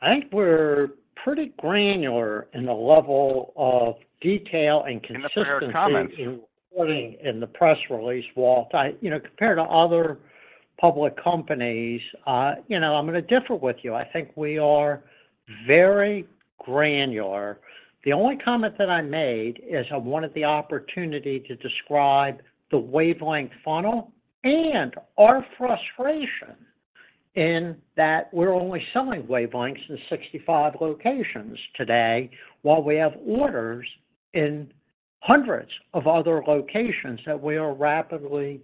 I think we're pretty granular in the level of detail and consistency. In the prior comments. In putting in the press release, Walt. I, you know, compared to other public companies, you know, I'm going to differ with you. I think we are very granular. The only comment that I made is I wanted the opportunity to describe the wavelength funnel and our frustration in that we're only selling wavelengths in 65 locations today, while we have orders in hundreds of other locations that we are rapidly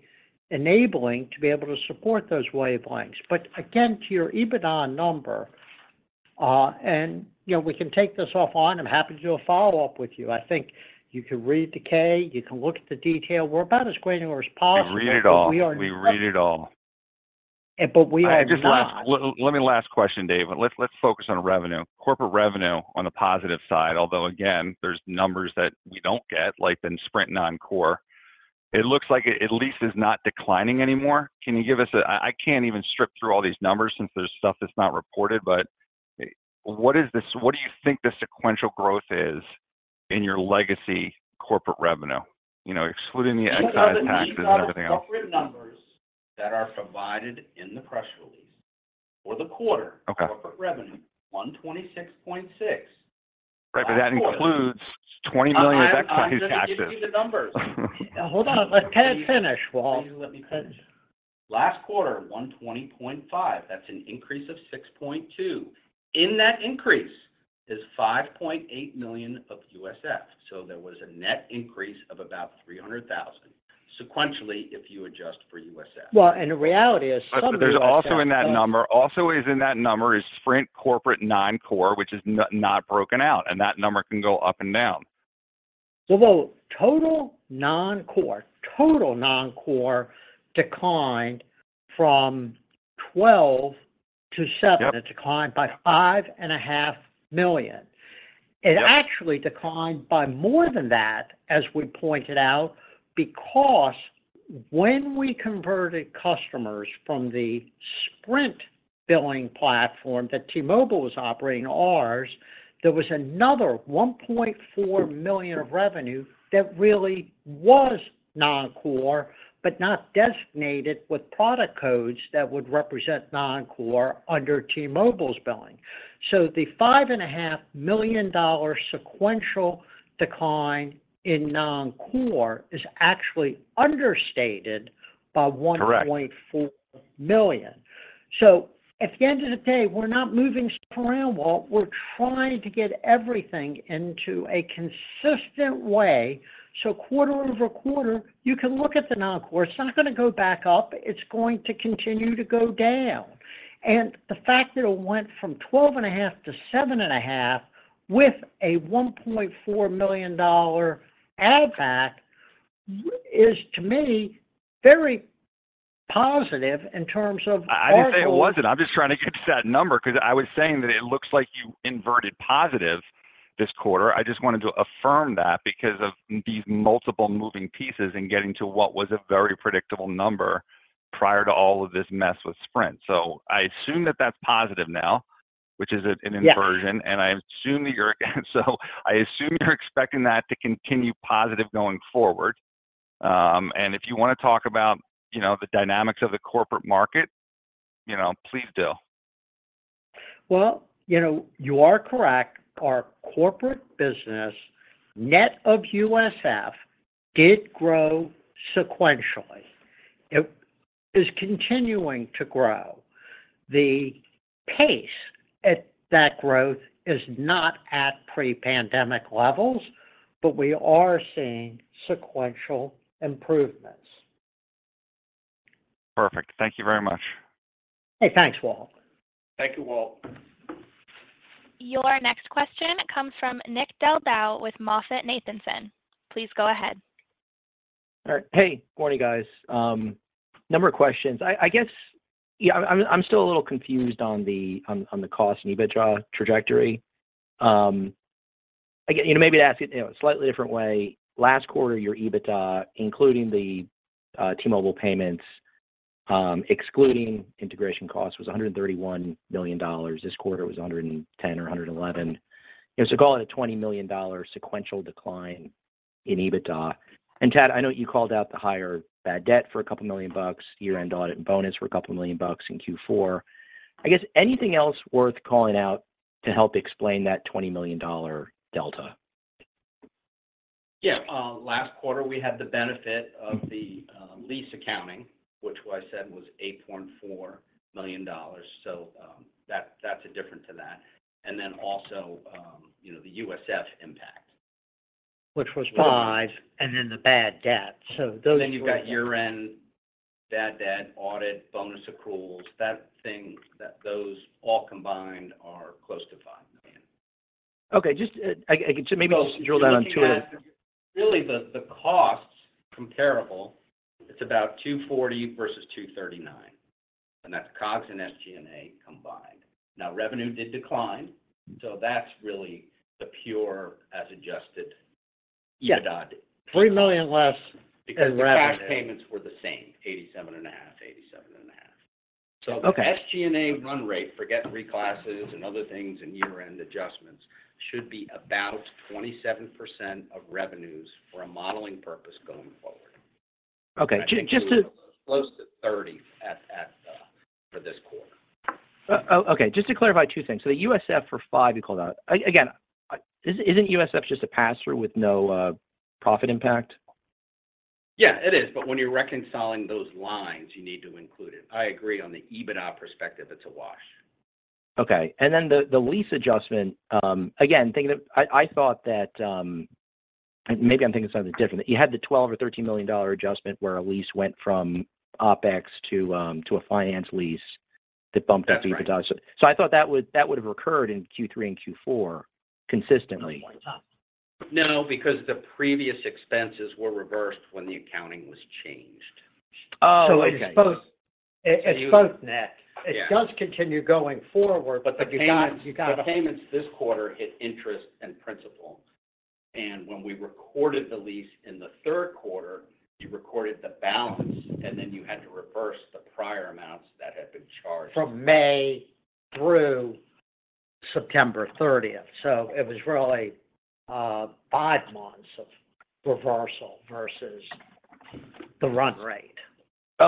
enabling to be able to support those wavelengths. But again, to your EBITDA number, and, you know, we can take this offline. I'm happy to do a follow-up with you. I think you can read the K, you can look at the detail. We're about as granular as possible. We read it all. Let me, last question, Dave. Let's focus on revenue. Corporate revenue on the positive side, although again, there's numbers that we don't get, like the Sprint non-core. It looks like it at least is not declining anymore. Can you give us a—I can't even strip through all these numbers since there's stuff that's not reported, but what is this? What do you think the sequential growth is in your legacy corporate revenue? You know, excluding the excise taxes and everything else. Corporate numbers that are provided in the press release for the quarter corporate revenue, $126.6. Right, but that includes $20 million of excise taxes. I'm just giving you the numbers. Hold on, let Tad finish, Walt. Please let me finish. Last quarter, 120.5, that's an increase of 6.2. In that increase, is $5.8 million of USF, so there was a net increase of about $300,000, sequentially, if you adjust for USF. There's also in that number, also is in that number is Sprint corporate non-core, which is not broken out, and that number can go up and down. Well, the total non-core declined from 12 to 7. Yep. It declined by $5.5 million. Yep. It actually declined by more than that, as we pointed out, because when we converted customers from the Sprint billing platform that T-Mobile was operating to ours, there was another $1.4 million of revenue that really was non-core, but not designated with product codes that would represent non-core under T-Mobile's billing. So the $5.5 million dollar sequential decline in non-core is actually understated by- Correct. $1.4 million. So at the end of the day, we're not moving stuff around, Walt. We're trying to get everything into a consistent way, so quarter-over-quarter, you can look at the non-core. It's not gonna go back up, it's going to continue to go down. And the fact that it went from 12.5 to 7.5 with a $1.4 million add-back, is, to me, very positive in terms of our whole. I didn't say it wasn't. I'm just trying to get to that number, 'cause I was saying that it looks like you inverted positive this quarter. I just wanted to affirm that because of these multiple moving pieces and getting to what was a very predictable number prior to all of this mess with Sprint. So I assume that that's positive now, which is an, an inversion. I assume you're expecting that to continue positive going forward. And if you wanna talk about, you know, the dynamics of the corporate market, you know, please do. Well, you know, you are correct. Our corporate business, net of USF, did grow sequentially. It is continuing to grow. The pace at that growth is not at pre-pandemic levels, but we are seeing sequential improvements. Perfect. Thank you very much. Hey, thanks, Walt. Thank you, Walt. Your next question comes from Nick Del Deo with MoffettNathanson. Please go ahead. All right. Hey, morning guys. Number of questions. I guess, yeah, I'm still a little confused on the cost and EBITDA trajectory. I guess, you know, maybe to ask it in a slightly different way. Last quarter, your EBITDA, including the T-Mobile payments, excluding integration costs, was $131 million. This quarter, it was $110 million or $111 million. You know, so call it a $20 million sequential decline in EBITDA. And Tad, I know you called out the higher bad debt for a couple million bucks, year-end audit and bonus for a couple million bucks in Q4. I guess anything else worth calling out to help explain that $20 million dollar delta? Yeah. Last quarter, we had the benefit of the lease accounting, which I said was $8.4 million. So, that, that's different to that. And then also, you know, the USF impact. Which was 5, and then the bad debt, so those were- Then you've got year-end bad debt, audit, bonus accruals, that, those all combined are close to $5 million. Okay, just, so maybe just drill down on two- So looking at, really, the costs comparable, it's about $240 versus $239, and that's COGS and SG&A combined. Now, revenue did decline, so that's really the pure as adjusted EBITDA. $3 million less in revenue. Because the cash payments were the same, $87.5, $87.5. Okay. The SG&A run rate, forget reclasses and other things and year-end adjustments, should be about 27% of revenues for a modeling purpose going forward close to 30 at for this quarter. Okay, just to clarify two things. So the USF for five, you called out. Again, isn't USF just a pass-through with no profit impact? Yeah, it is, but when you're reconciling those lines, you need to include it. I agree on the EBITDA perspective, it's a wash. Okay. And then the lease adjustment, again, maybe I'm thinking of something different. You had the $12 million or $13 million adjustment where a lease went from OpEx to a finance lease that bumped the EBITDA. So I thought that would have recurred in Q3 and Q4 consistently. No, because the previous expenses were reversed when the accounting was changed. Oh, okay. It's both, it's both net. Yeah It does continue going forward. The payments this quarter hit interest and principal. When we recorded the lease in Q3, you recorded the balance, and then you had to reverse the prior amounts that had been charged. From May through September thirtieth, so it was really 5 months of reversal versus the run rate.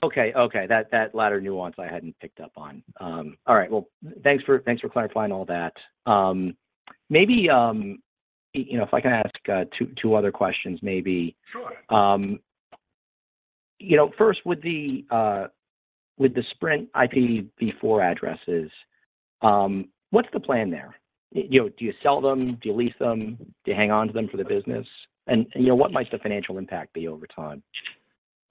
Okay, okay. That, that latter nuance I hadn't picked up on. All right, well, thanks for, thanks for clarifying all that. Maybe, you know, if I can ask, two, two other questions, maybe. Sure. You know, first with the Sprint IPv4 addresses, what's the plan there? You know, do you sell them? Do you lease them? Do you hang on to them for the business? And, you know, what might the financial impact be over time?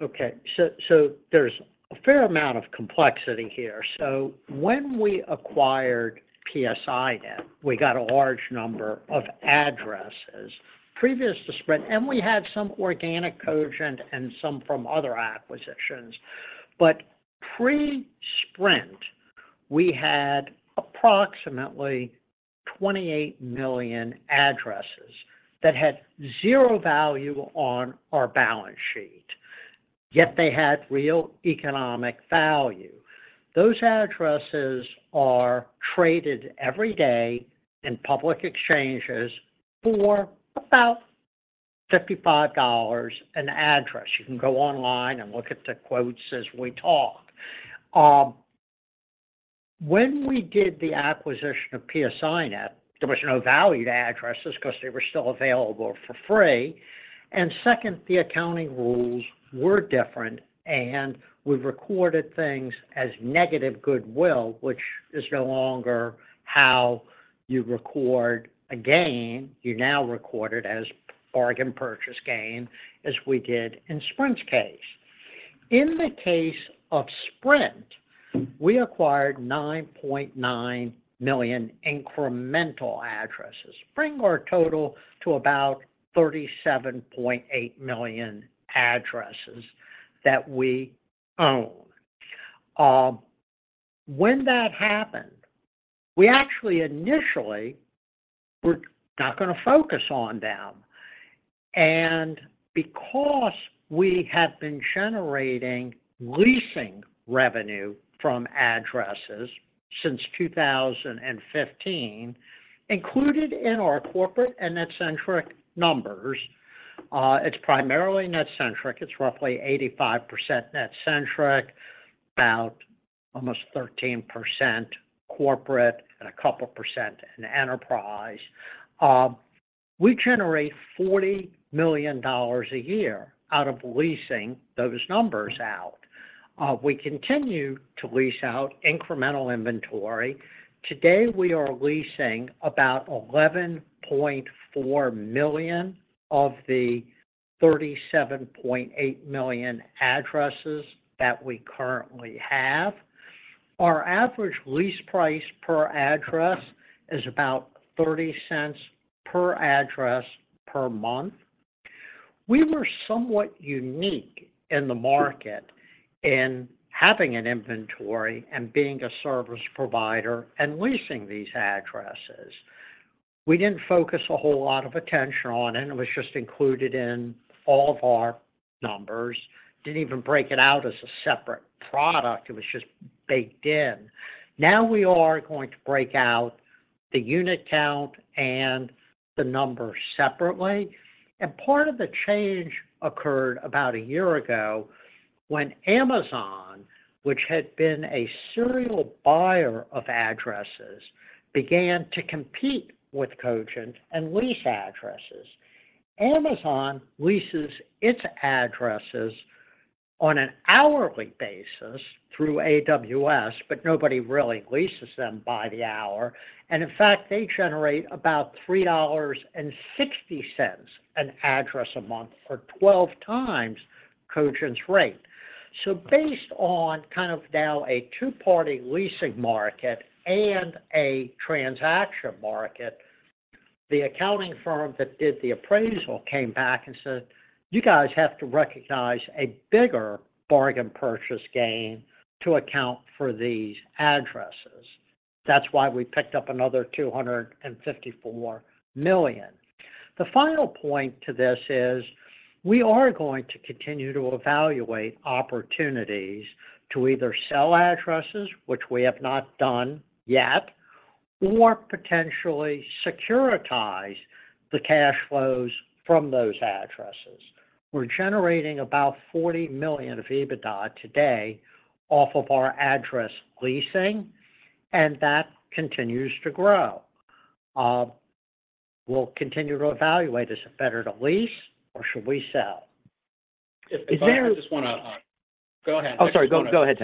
Okay. So, so there's a fair amount of complexity here. So when we acquired PSINet then, we got a large number of addresses previous to Sprint, and we had some organic Cogent and some from other acquisitions. But pre-Sprint, we had approximately 28 million addresses that had 0 value on our balance sheet, yet they had real economic value. Those addresses are traded every day in public exchanges for about $55 an address. You can go online and look at the quotes as we talk. When we did the acquisition of PSINet, there was no value to addresses because they were still available for free. And second, the accounting rules were different, and we recorded things as negative goodwill, which is no longer how you record a gain. You now record it as bargain purchase gain, as we did in Sprint's case. In the case of Sprint, we acquired 9.9 million incremental addresses, bringing our total to about 37.8 million addresses that we own. When that happened, we actually initially were not gonna focus on them. Because we had been generating leasing revenue from addresses since 2015, included in our corporate and NetCentric numbers, it's primarily NetCentric, it's roughly 85% NetCentric, about almost 13% corporate, and a couple of percent in enterprise. We generate $40 million a year out of leasing those numbers out. We continue to lease out incremental inventory. Today, we are leasing about 11.4 million of the 37.8 million addresses that we currently have. Our average lease price per address is about $0.30 per address per month. We were somewhat unique in the market in having an inventory and being a service provider and leasing these addresses. We didn't focus a whole lot of attention on it. It was just included in all of our numbers. Didn't even break it out as a separate product. It was just baked in. Now we are going to break out the unit count and the numbers separately. And part of the change occurred about a year ago, when Amazon, which had been a serial buyer of addresses, began to compete with Cogent and lease addresses. Amazon leases its addresses on an hourly basis through AWS, but nobody really leases them by the hour. And in fact, they generate about $3.60 an address a month for 12x Cogent's rate. So based on kind of now a two-party leasing market and a transaction market, the accounting firm that did the appraisal came back and said, "You guys have to recognize a bigger bargain purchase gain to account for these addresses." That's why we picked up another $254 million. The final point to this is, we are going to continue to evaluate opportunities to either sell addresses, which we have not done yet, or potentially securitize the cash flows from those addresses. We're generating about $40 million of EBITDA today off of our address leasing, and that continues to grow. We'll continue to evaluate, is it better to lease or should we sell? If I just wanna, go ahead. Oh, sorry. Go, go ahead,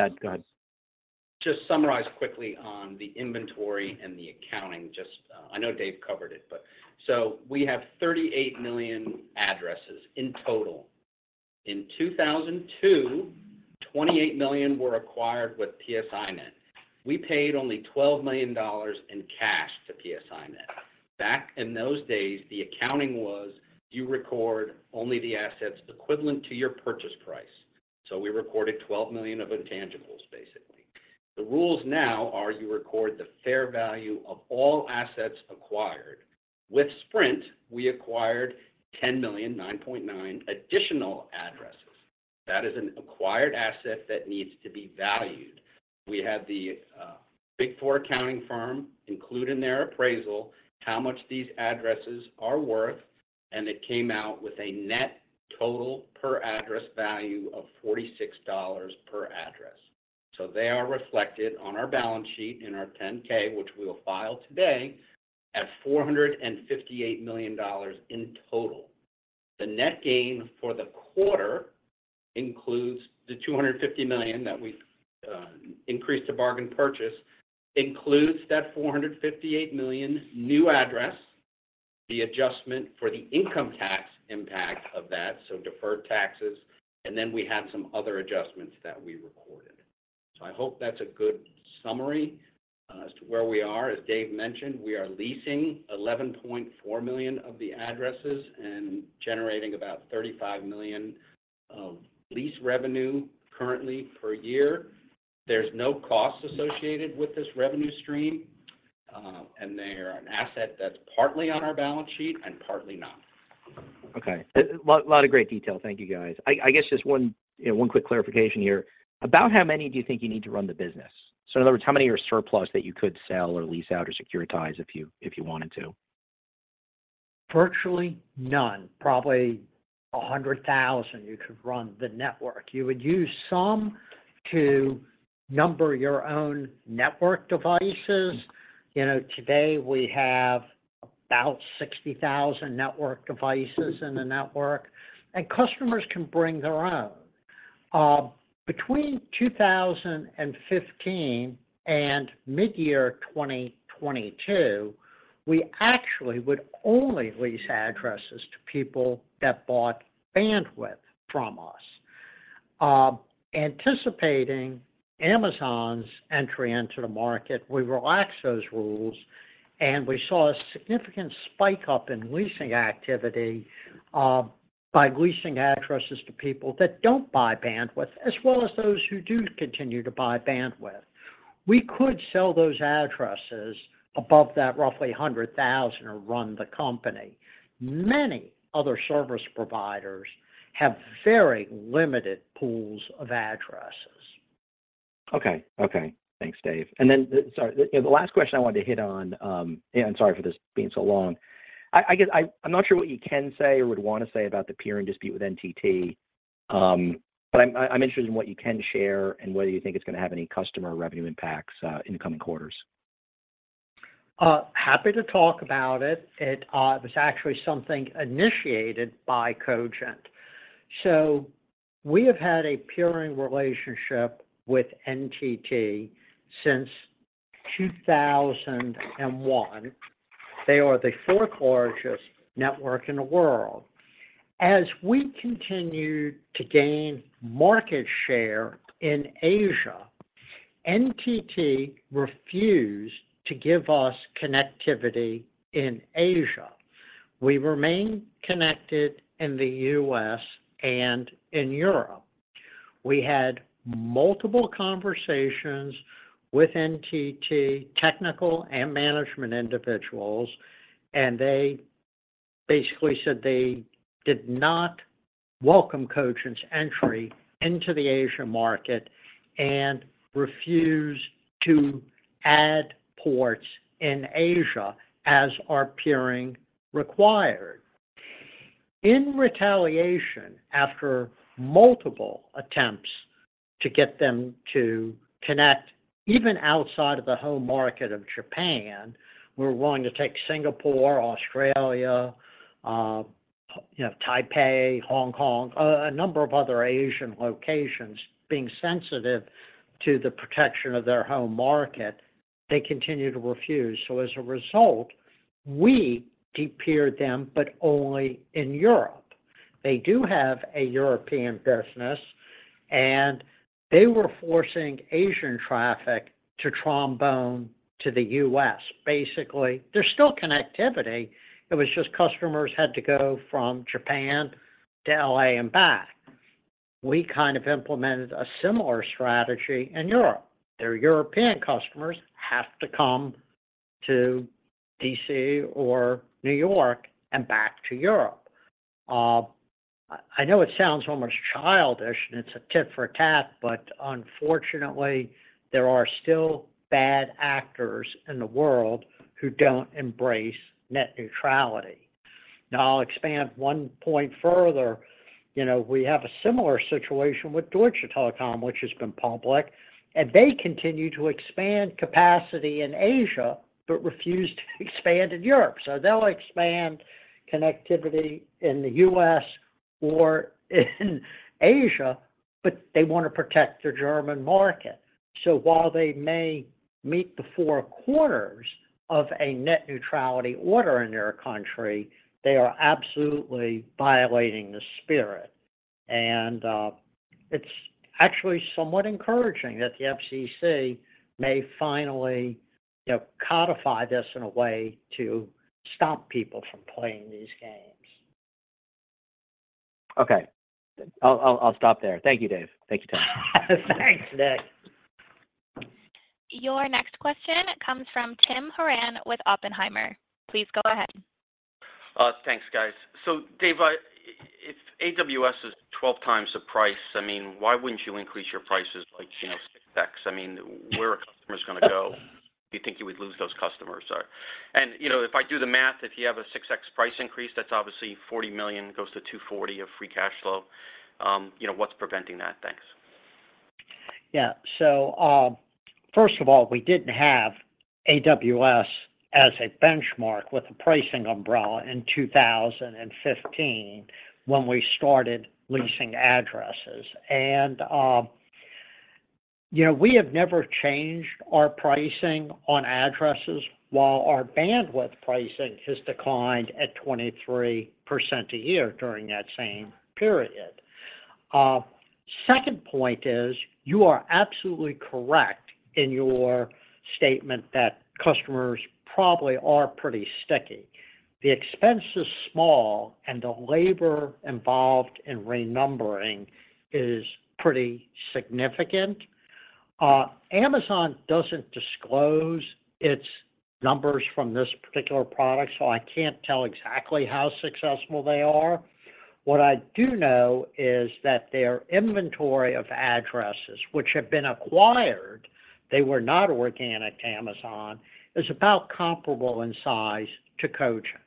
Tad. Go ahead. Just summarize quickly on the inventory and the accounting. Just, I know Dave covered it. So we have 38 million addresses in total. In 2002, 28 million were acquired with PSINet. We paid only $12 million in cash to PSINet. Back in those days, the accounting was, you record only the assets equivalent to your purchase price. So we recorded $12 million of intangibles, basically. The rules now are you record the fair value of all assets acquired. With Sprint, we acquired 10.9 million additional addresses. That is an acquired asset that needs to be valued. We had the Big Four accounting firm include in their appraisal how much these addresses are worth, and it came out with a net total per address value of $46 per address. So they are reflected on our balance sheet in our 10-K, which we will file today, at $458 million in total. The net gain for the quarter includes the $250 million that we increased to bargain purchase, includes that 458 million new address, the adjustment for the income tax impact of that, so deferred taxes, and then we had some other adjustments that we recorded. So I hope that's a good summary, as to where we are. As Dave mentioned, we are leasing 11.4 million of the addresses and generating about $35 million of lease revenue currently per year. There's no cost associated with this revenue stream, and they are an asset that's partly on our balance sheet and partly not. Okay. A lot, lot of great detail. Thank you, guys. I, I guess just one, you know, one quick clarification here: About how many do you think you need to run the business? So in other words, how many are surplus that you could sell or lease out or securitize if you, if you wanted to? Virtually none. Probably 100,000, you could run the network. You would use some to number your own network devices. You know, today we have about 60,000 network devices in the network, and customers can bring their own. Between 2015 and mid-year 2022, we actually would only lease addresses to people that bought bandwidth from us. Anticipating Amazon's entry into the market, we relaxed those rules, and we saw a significant spike up in leasing activity, by leasing addresses to people that don't buy bandwidth, as well as those who do continue to buy bandwidth. We could sell those addresses above that, roughly 100,000, or run the company. Many other service providers have very limited pools of addresses. Okay. Okay, thanks, Dave. And then the—sorry, the, you know, the last question I wanted to hit on, and sorry for this being so long. I, I guess I, I'm not sure what you can say or would wanna say about the peering dispute with NTT, but I'm, I'm interested in what you can share and whether you think it's gonna have any customer revenue impacts, in the coming quarters. Happy to talk about it. It was actually something initiated by Cogent. So we have had a peering relationship with NTT since 2001. They are the fourth largest network in the world. As we continued to gain market share in Asia, NTT refused to give us connectivity in Asia. We remained connected in the U.S. and in Europe. We had multiple conversations with NTT, technical and management individuals, and they basically said they did not welcome Cogent's entry into the Asia market, and refused to add ports in Asia as our peering required. In retaliation, after multiple attempts to get them to connect, even outside of the home market of Japan, we were willing to take Singapore, Australia, you know, Taipei, Hong Kong, a number of other Asian locations. Being sensitive to the protection of their home market, they continued to refuse. So as a result, we de-peered them, but only in Europe. They do have a European business, and they were forcing Asian traffic to trombone to the U.S. Basically, there's still connectivity. It was just customers had to go from Japan to L.A. and back. We kind of implemented a similar strategy in Europe. Their European customers have to come to D.C. or New York and back to Europe. I know it sounds almost childish, and it's a tit for tat, but unfortunately, there are still bad actors in the world who don't embrace net neutrality. Now, I'll expand one point further. You know, we have a similar situation with Deutsche Telekom, which has been public, and they continue to expand capacity in Asia, but refuse to expand in Europe. So they'll expand connectivity in the U.S. or in Asia, but they wanna protect their German market. So while they may meet the four corners of a net neutrality order in their country, they are absolutely violating the spirit, and it's actually somewhat encouraging that the FCC may finally, you know, codify this in a way to stop people from playing these games. Okay. I'll stop there. Thank you, Dave. Thank you, Dave. Thanks, Nick. Your next question comes from Tim Horan with Oppenheimer. Please go ahead. Thanks, guys. So Dave, if AWS is 12x the price, I mean, why wouldn't you increase your prices by, you know, 6x? I mean, where are customers gonna go? Do you think you would lose those customers? And, you know, if I do the math, if you have a 6x price increase, that's obviously $40 million goes to $240 million of free cash flow. You know, what's preventing that? Thanks. Yeah. So, first of all, we didn't have AWS as a benchmark with the pricing umbrella in 2015 when we started leasing addresses. And, you know, we have never changed our pricing on addresses, while our bandwidth pricing has declined at 23% a year during that same period. Second point is, you are absolutely correct in your statement that customers probably are pretty sticky. The expense is small, and the labor involved in renumbering is pretty significant. Amazon doesn't disclose its numbers from this particular product, so I can't tell exactly how successful they are. What I do know is that their inventory of addresses, which have been acquired, they were not organic to Amazon, is about comparable in size to Cogent.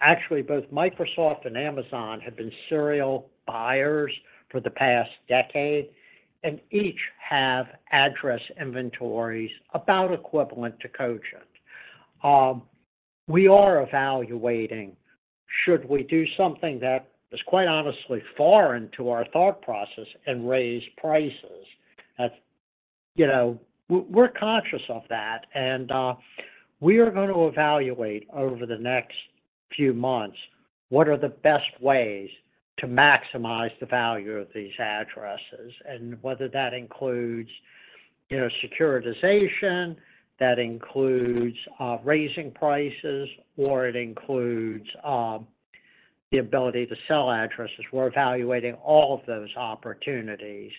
Actually, both Microsoft and Amazon have been serial buyers for the past decade, and each have address inventories about equivalent to Cogent. We are evaluating, should we do something that is, quite honestly, foreign to our thought process and raise prices? That's. You know, we're conscious of that, and we are going to evaluate over the next few months, what are the best ways to maximize the value of these addresses, and whether that includes, you know, securitization, that includes raising prices, or it includes the ability to sell addresses. We're evaluating all of those opportunities.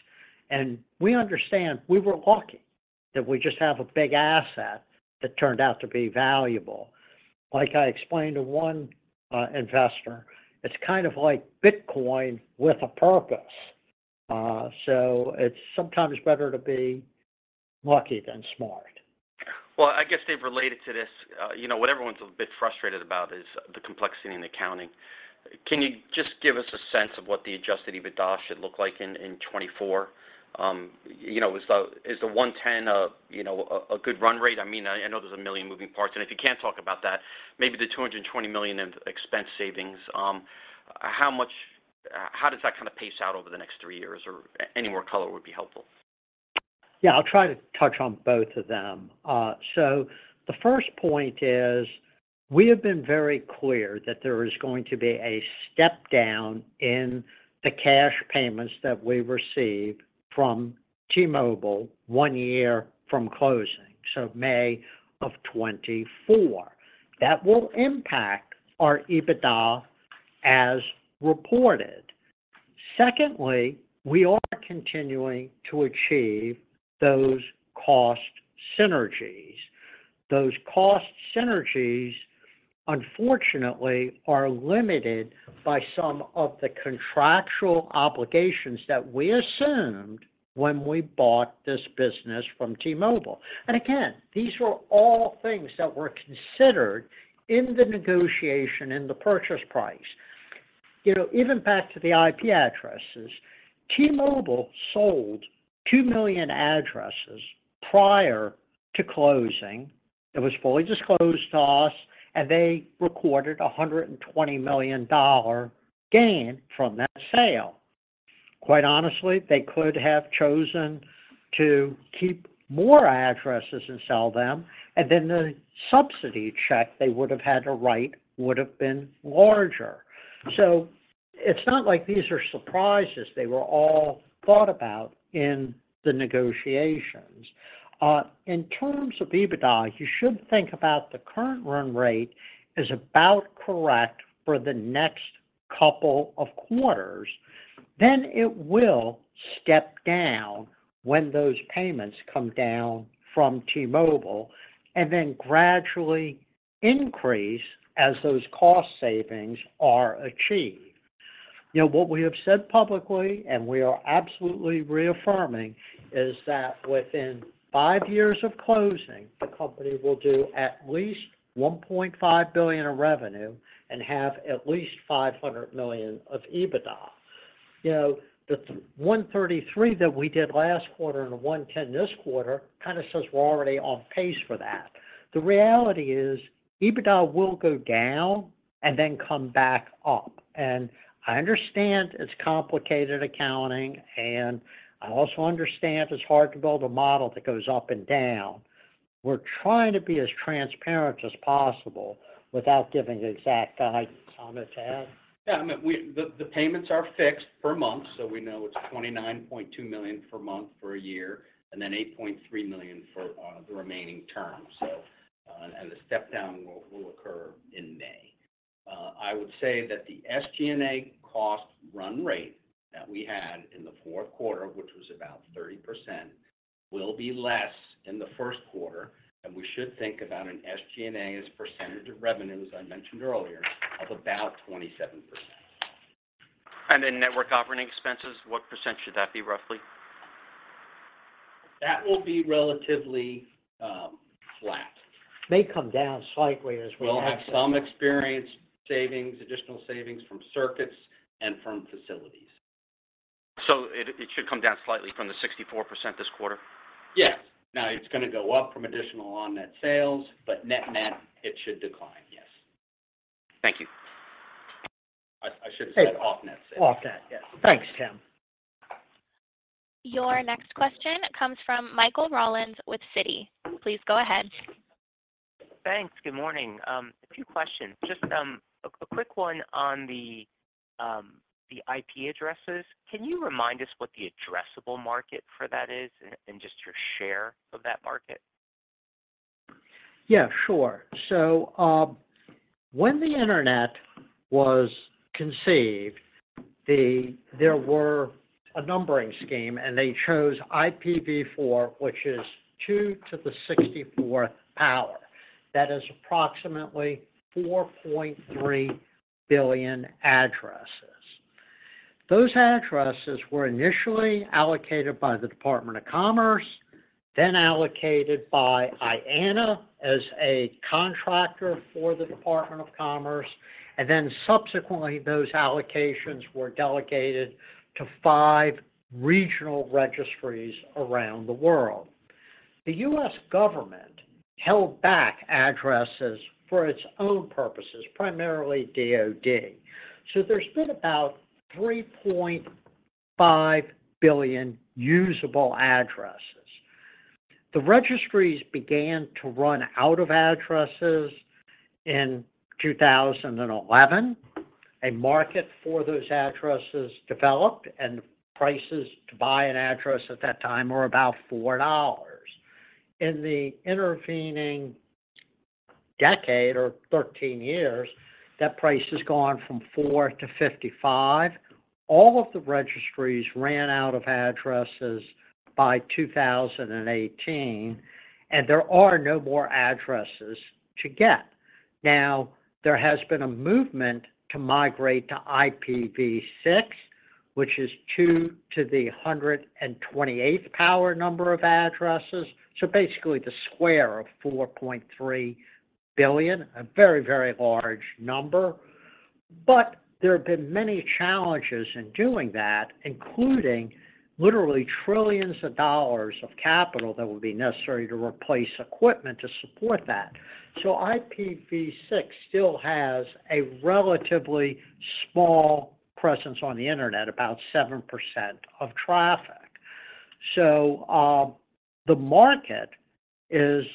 And we understand we were lucky, that we just have a big asset that turned out to be valuable. Like I explained to one investor, it's kind of like Bitcoin with a purpose. So it's sometimes better to be lucky than smart. Well, I guess they've related to this. You know, what everyone's a bit frustrated about is the complexity in accounting. Can you just give us a sense of what the adjusted EBITDA should look like in 2024? You know, is the $110 million a good run rate? I mean, I know there's a million moving parts, and if you can't talk about that, maybe the $220 million in expense savings. How much - how does that kind of pace out over the next three years? Or any more color would be helpful. Yeah, I'll try to touch on both of them. So the first point is, we have been very clear that there is going to be a step down in the cash payments that we receive from T-Mobile one year from closing, so May of 2024. That will impact our EBITDA as reported. Secondly, we are continuing to achieve those cost synergies. Those cost synergies, unfortunately, are limited by some of the contractual obligations that we assumed when we bought this business from T-Mobile. And again, these were all things that were considered in the negotiation and the purchase price. You know, even back to the IP addresses, T-Mobile sold 2 million addresses prior to closing. It was fully disclosed to us, and they recorded a $120 million gain from that sale. Quite honestly, they could have chosen to keep more addresses and sell them, and then the subsidy check they would have had to write would have been larger. So it's not like these are surprises. They were all thought about in the negotiations. In terms of EBITDA, you should think about the current run rate is about correct for the next couple of quarters. Then it will step down when those payments come down from T-Mobile, and then gradually increase as those cost savings are achieved. You know, what we have said publicly, and we are absolutely reaffirming, is that within five years of closing, the company will do at least $1.5 billion in revenue and have at least $500 million of EBITDA. You know, the $133 that we did last quarter and the $110 this quarter, kind of says we're already on pace for that. The reality is, EBITDA will go down and then come back up. I understand it's complicated accounting, and I also understand it's hard to build a model that goes up and down. We're trying to be as transparent as possible without giving exact guidance on it. Tim? Yeah, I mean, we, the payments are fixed per month, so we know it's $29.2 million per month for a year, and then $8.3 million for the remaining term. So, and the step down will occur in May. I would say that the SG&A cost run rate that we had in the fourth quarter, which was about 30%, will be less in the first quarter, and we should think about an SG&A as a percentage of revenue, as I mentioned earlier, of about 27%. Network operating expenses, what % should that be, roughly? That will be relatively, flat. May come down slightly as well- We'll have some experience savings, additional savings from circuits and from facilities. So it should come down slightly from the 64% this quarter? Yes. Now, it's going to go up from additional On-Net sales, but net-net, it should decline. Yes. Thank you. I should have said off-net sales. Off-Net, yes. Thanks, Tim. Your next question comes from Michael Rollins with Citi. Please go ahead. Thanks. Good morning. A few questions. Just a quick one on the IP addresses. Can you remind us what the addressable market for that is and just your share of that market? Yeah, sure. So, when the Internet was conceived, there were a numbering scheme, and they chose IPv4, which is 2 to the 64th power. That is approximately 4.3 billion addresses. Those addresses were initially allocated by the Department of Commerce, then allocated by IANA as a contractor for the Department of Commerce, and then subsequently, those allocations were delegated to 5 regional registries around the world. The U.S. government held back addresses for its own purposes, primarily DoD. So there's been about 3.5 billion usable addresses. The registries began to run out of addresses in 2011. A market for those addresses developed, and prices to buy an address at that time were about $4. In the intervening decade or 13 years, that price has gone from $4-$55. All of the registries ran out of addresses by 2018, and there are no more addresses to get. Now, there has been a movement to migrate to IPv6, which is 2 to the 128th power number of addresses, so basically the square of 4.3 billion, a very, very large number. There have been many challenges in doing that, including literally $ trillions of capital that would be necessary to replace equipment to support that. IPv6 still has a relatively small presence on the Internet, about 7% of traffic. The market is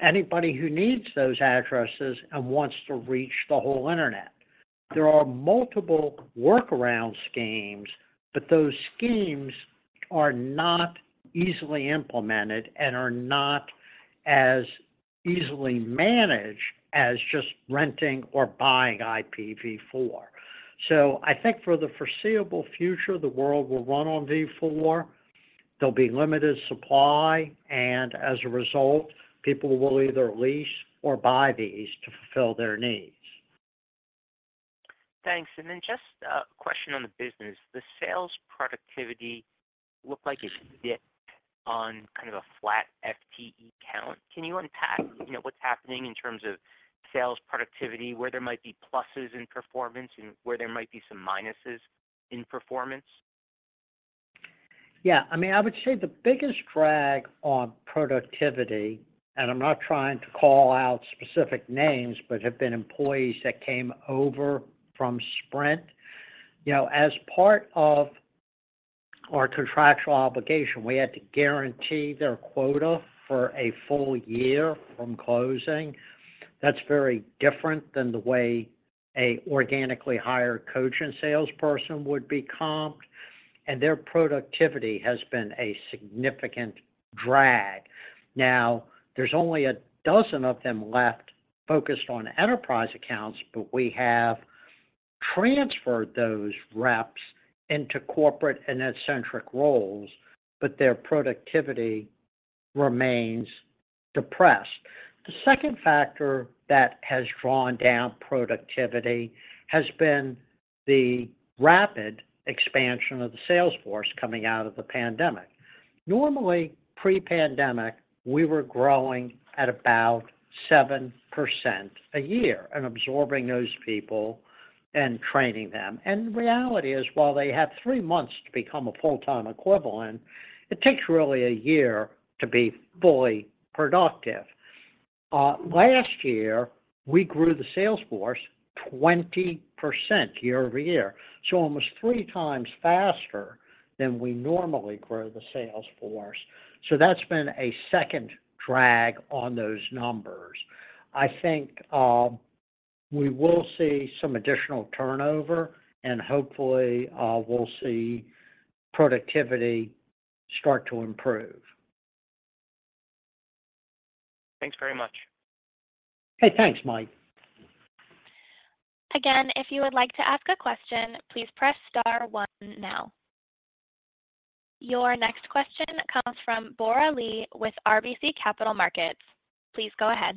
anybody who needs those addresses and wants to reach the whole Internet. There are multiple workaround schemes, but those schemes are not easily implemented and are not as easily managed as just renting or buying IPv4. I think for the foreseeable future, the world will run on v4. There'll be limited supply, and as a result, people will either lease or buy these to fulfill their needs. Thanks. And then just a question on the business. The sales productivity looked like it dipped on kind of a flat FTE count. Can you unpack, you know, what's happening in terms of sales productivity, where there might be pluses in performance and where there might be some minuses in performance? Yeah, I mean, I would say the biggest drag on productivity, and I'm not trying to call out specific names, but have been employees that came over from Sprint. You know, as part of our contractual obligation, we had to guarantee their quota for a full year from closing. That's very different than the way an organically hired Cogent salesperson would be comped, and their productivity has been a significant drag. Now, there's only a dozen of them left focused on enterprise accounts, but we have transferred those reps into corporate and executive roles, but their productivity remains depressed. The second factor that has drawn down productivity has been the rapid expansion of the sales force coming out of the pandemic. Normally, pre-pandemic, we were growing at about 7% a year and absorbing those people and training them. The reality is, while they have three months to become a full-time equivalent, it takes really a year to be fully productive. Last year, we grew the sales force 20% year-over-year, so almost 3x faster than we normally grow the sales force. So that's been a second drag on those numbers. I think we will see some additional turnover and hopefully we'll see productivity start to improve. Thanks very much. Hey, thanks, Mike. Again, if you would like to ask a question, please press star one now. Your next question comes from Bora Lee with RBC Capital Markets. Please go ahead.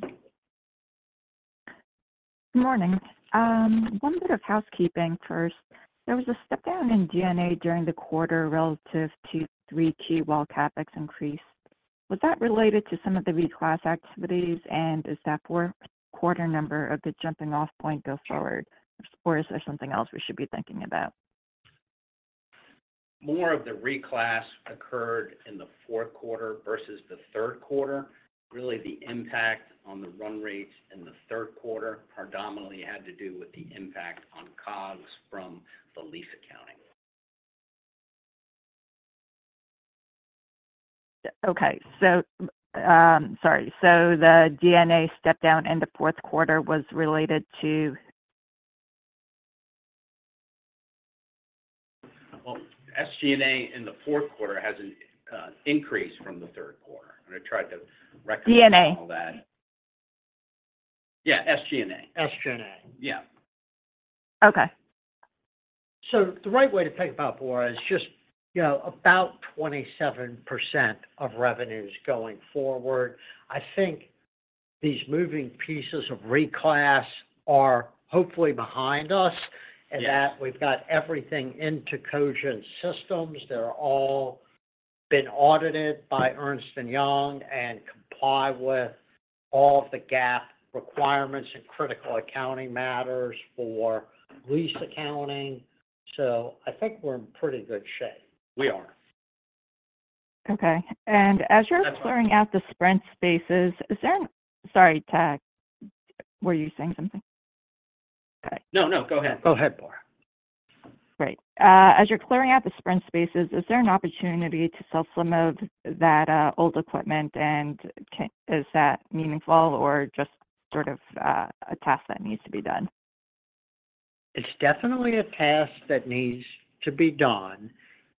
Good morning. One bit of housekeeping first. There was a step down in DIA during the quarter relative to 3Q while CapEx increased. Was that related to some of the reclass activities, and is that 4Q number the jumping-off point going forward, or is there something else we should be thinking about? More of the reclass occurred in Q4 versus Q3. Really, the impact on the run rates in Q3 predominantly had to do with the impact on COGS from the lease accounting. Okay, so, sorry, so the DIA step down in Q4 was related to? Well, SG&A in Q4 has an increase from Q3, and I tried to reconcile that. SG&A? Yeah, SG&A. So the right way to think about it, Bora, is just, you know, about 27% of revenue is going forward. I think these moving pieces of reclass are hopefully behind us that we've got everything into Cogent systems. They're all been audited by Ernst & Young, and comply with all the GAAP requirements and critical accounting matters for lease accounting. So I think we're in pretty good shape. We are. Clearing out the Sprint spaces. Sorry, Tad, were you saying something? No, no, go ahead. Go ahead, Bora. Great. As you're clearing out the Sprint spaces, is there an opportunity to sell some of that old equipment, and is that meaningful or just sort of a task that needs to be done? It's definitely a task that needs to be done.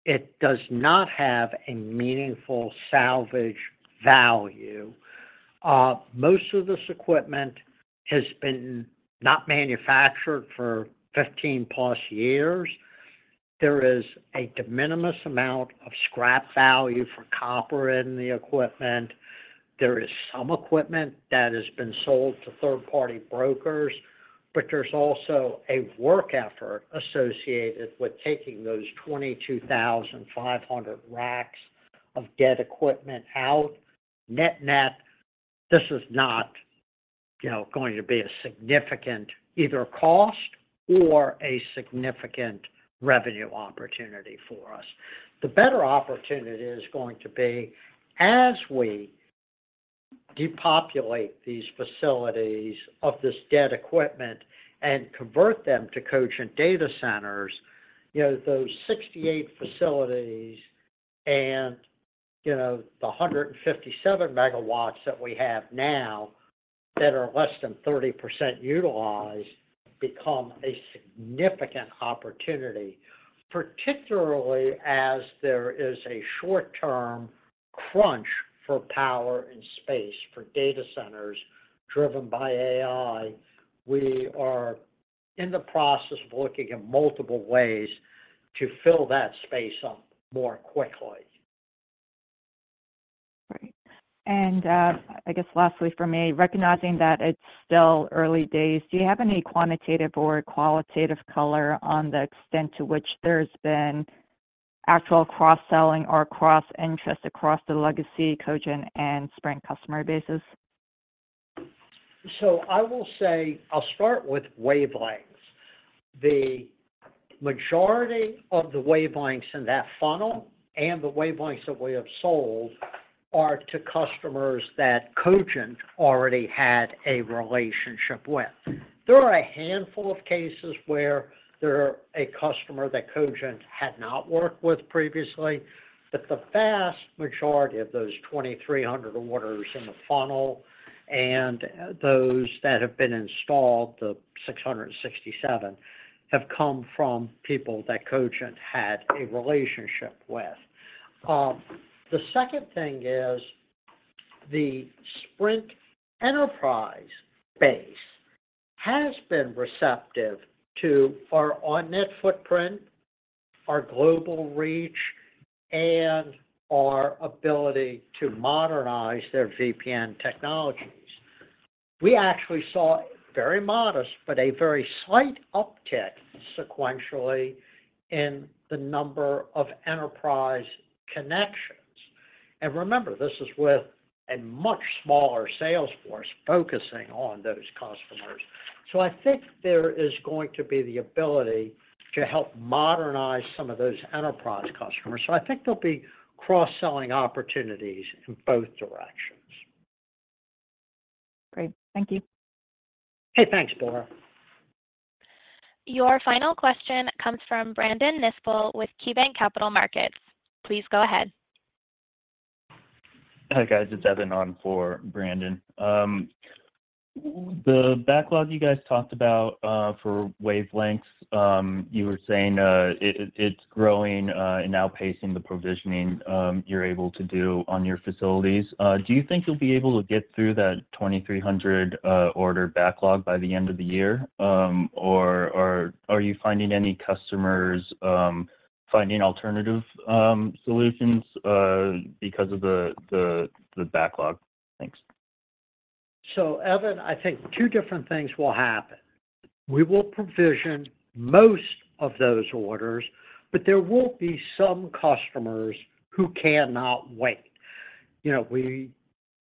It does not have a meaningful salvage value. Most of this equipment has been not manufactured for 15+ years. There is a de minimis amount of scrap value for copper in the equipment. There is some equipment that has been sold to third-party brokers, but there's also a work effort associated with taking those 22,500 racks of dead equipment out. Net-net, this is not, you know, going to be a significant either cost or a significant revenue opportunity for us. The better opportunity is going to be, as we depopulate these facilities of this dead equipment and convert them to Cogent data centers, you know, those 68 facilities and, you know, the 157 megawatts that we have now, that are less than 30% utilized, become a significant opportunity, particularly as there is a short-term crunch for power and space for data centers driven by AI. We are in the process of looking at multiple ways to fill that space up more quickly. Great. And, I guess lastly from me, recognizing that it's still early days, do you have any quantitative or qualitative color on the extent to which there's been actual cross-selling or cross interest across the legacy Cogent and Sprint customer bases? So I will say, I'll start with wavelengths. The majority of the wavelengths in that funnel, and the wavelengths that we have sold, are to customers that Cogent already had a relationship with. There are a handful of cases where there are a customer that Cogent had not worked with previously, but the vast majority of those 2,300 orders in the funnel and, those that have been installed, the 667, have come from people that Cogent had a relationship with. The second thing is, the Sprint enterprise base has been receptive to our on-net footprint, our global reach, and our ability to modernize their VPN technologies. We actually saw very modest, but a very slight uptick sequentially in the number of enterprise connections. And remember, this is with a much smaller sales force focusing on those customers. So I think there is going to be the ability to help modernize some of those enterprise customers. So I think there'll be cross-selling opportunities in both directions. Great. Thank you. Okay, thanks, Bora. Your final question comes from Brandon Nispel with KeyBanc Capital Markets. Please go ahead. Hi, guys, it's Evan on for Brandon. The backlog you guys talked about for wavelengths, you were saying, it's growing and outpacing the provisioning you're able to do on your facilities. Do you think you'll be able to get through that 2,300 order backlog by the end of the year? Or, are you finding any customers finding alternative solutions because of the backlog? Thanks. So, Evan, I think two different things will happen. We will provision most of those orders, but there will be some customers who cannot wait. You know, we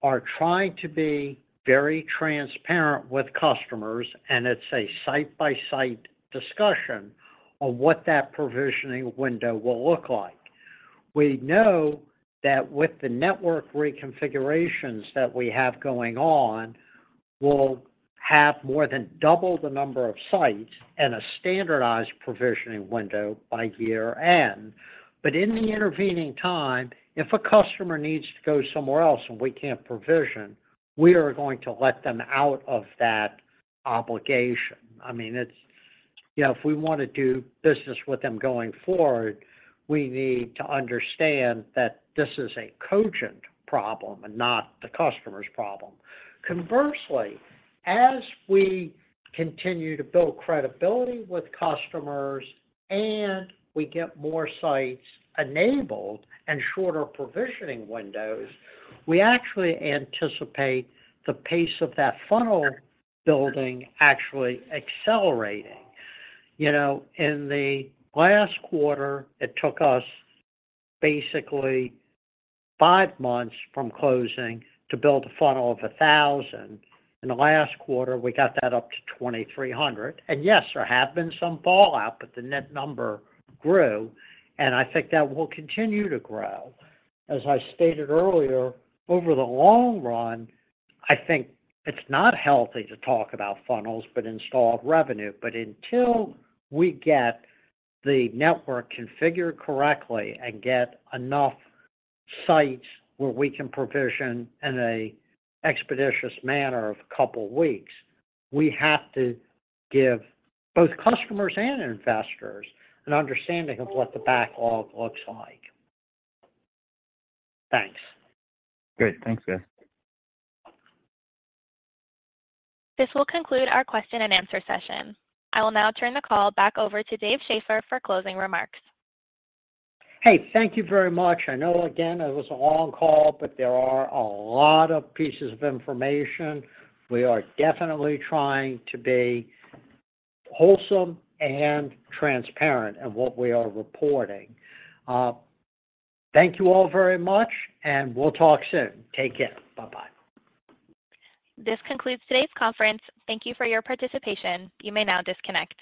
are trying to be very transparent with customers, and it's a site-by-site discussion on what that provisioning window will look like. We know that with the network reconfigurations that we have going on, we'll have more than double the number of sites and a standardized provisioning window by year-end. But in the intervening time, if a customer needs to go somewhere else and we can't provision, we are going to let them out of that obligation. I mean, it's, you know, if we wanna do business with them going forward, we need to understand that this is a Cogent problem and not the customer's problem. Conversely, as we continue to build credibility with customers, and we get more sites enabled and shorter provisioning windows, we actually anticipate the pace of that funnel building actually accelerating. You know, in the last quarter, it took us basically 5 months from closing to build a funnel of 1,000. In the last quarter, we got that up to 2,300. And yes, there have been some fallout, but the net number grew, and I think that will continue to grow. As I stated earlier, over the long run, I think it's not healthy to talk about funnels, but installed revenue. But until we get the network configured correctly and get enough sites where we can provision in an expeditious manner of a couple weeks, we have to give both customers and investors an understanding of what the backlog looks like. Thanks. Great. Thanks, guys. This will conclude our question and answer session. I will now turn the call back over to Dave Schaeffer for closing remarks. Hey, thank you very much. I know, again, it was a long call, but there are a lot of pieces of information. We are definitely trying to be wholesome and transparent in what we are reporting. Thank you all very much, and we'll talk soon. Take care. Bye-bye. This concludes today's conference. Thank you for your participation. You may now disconnect.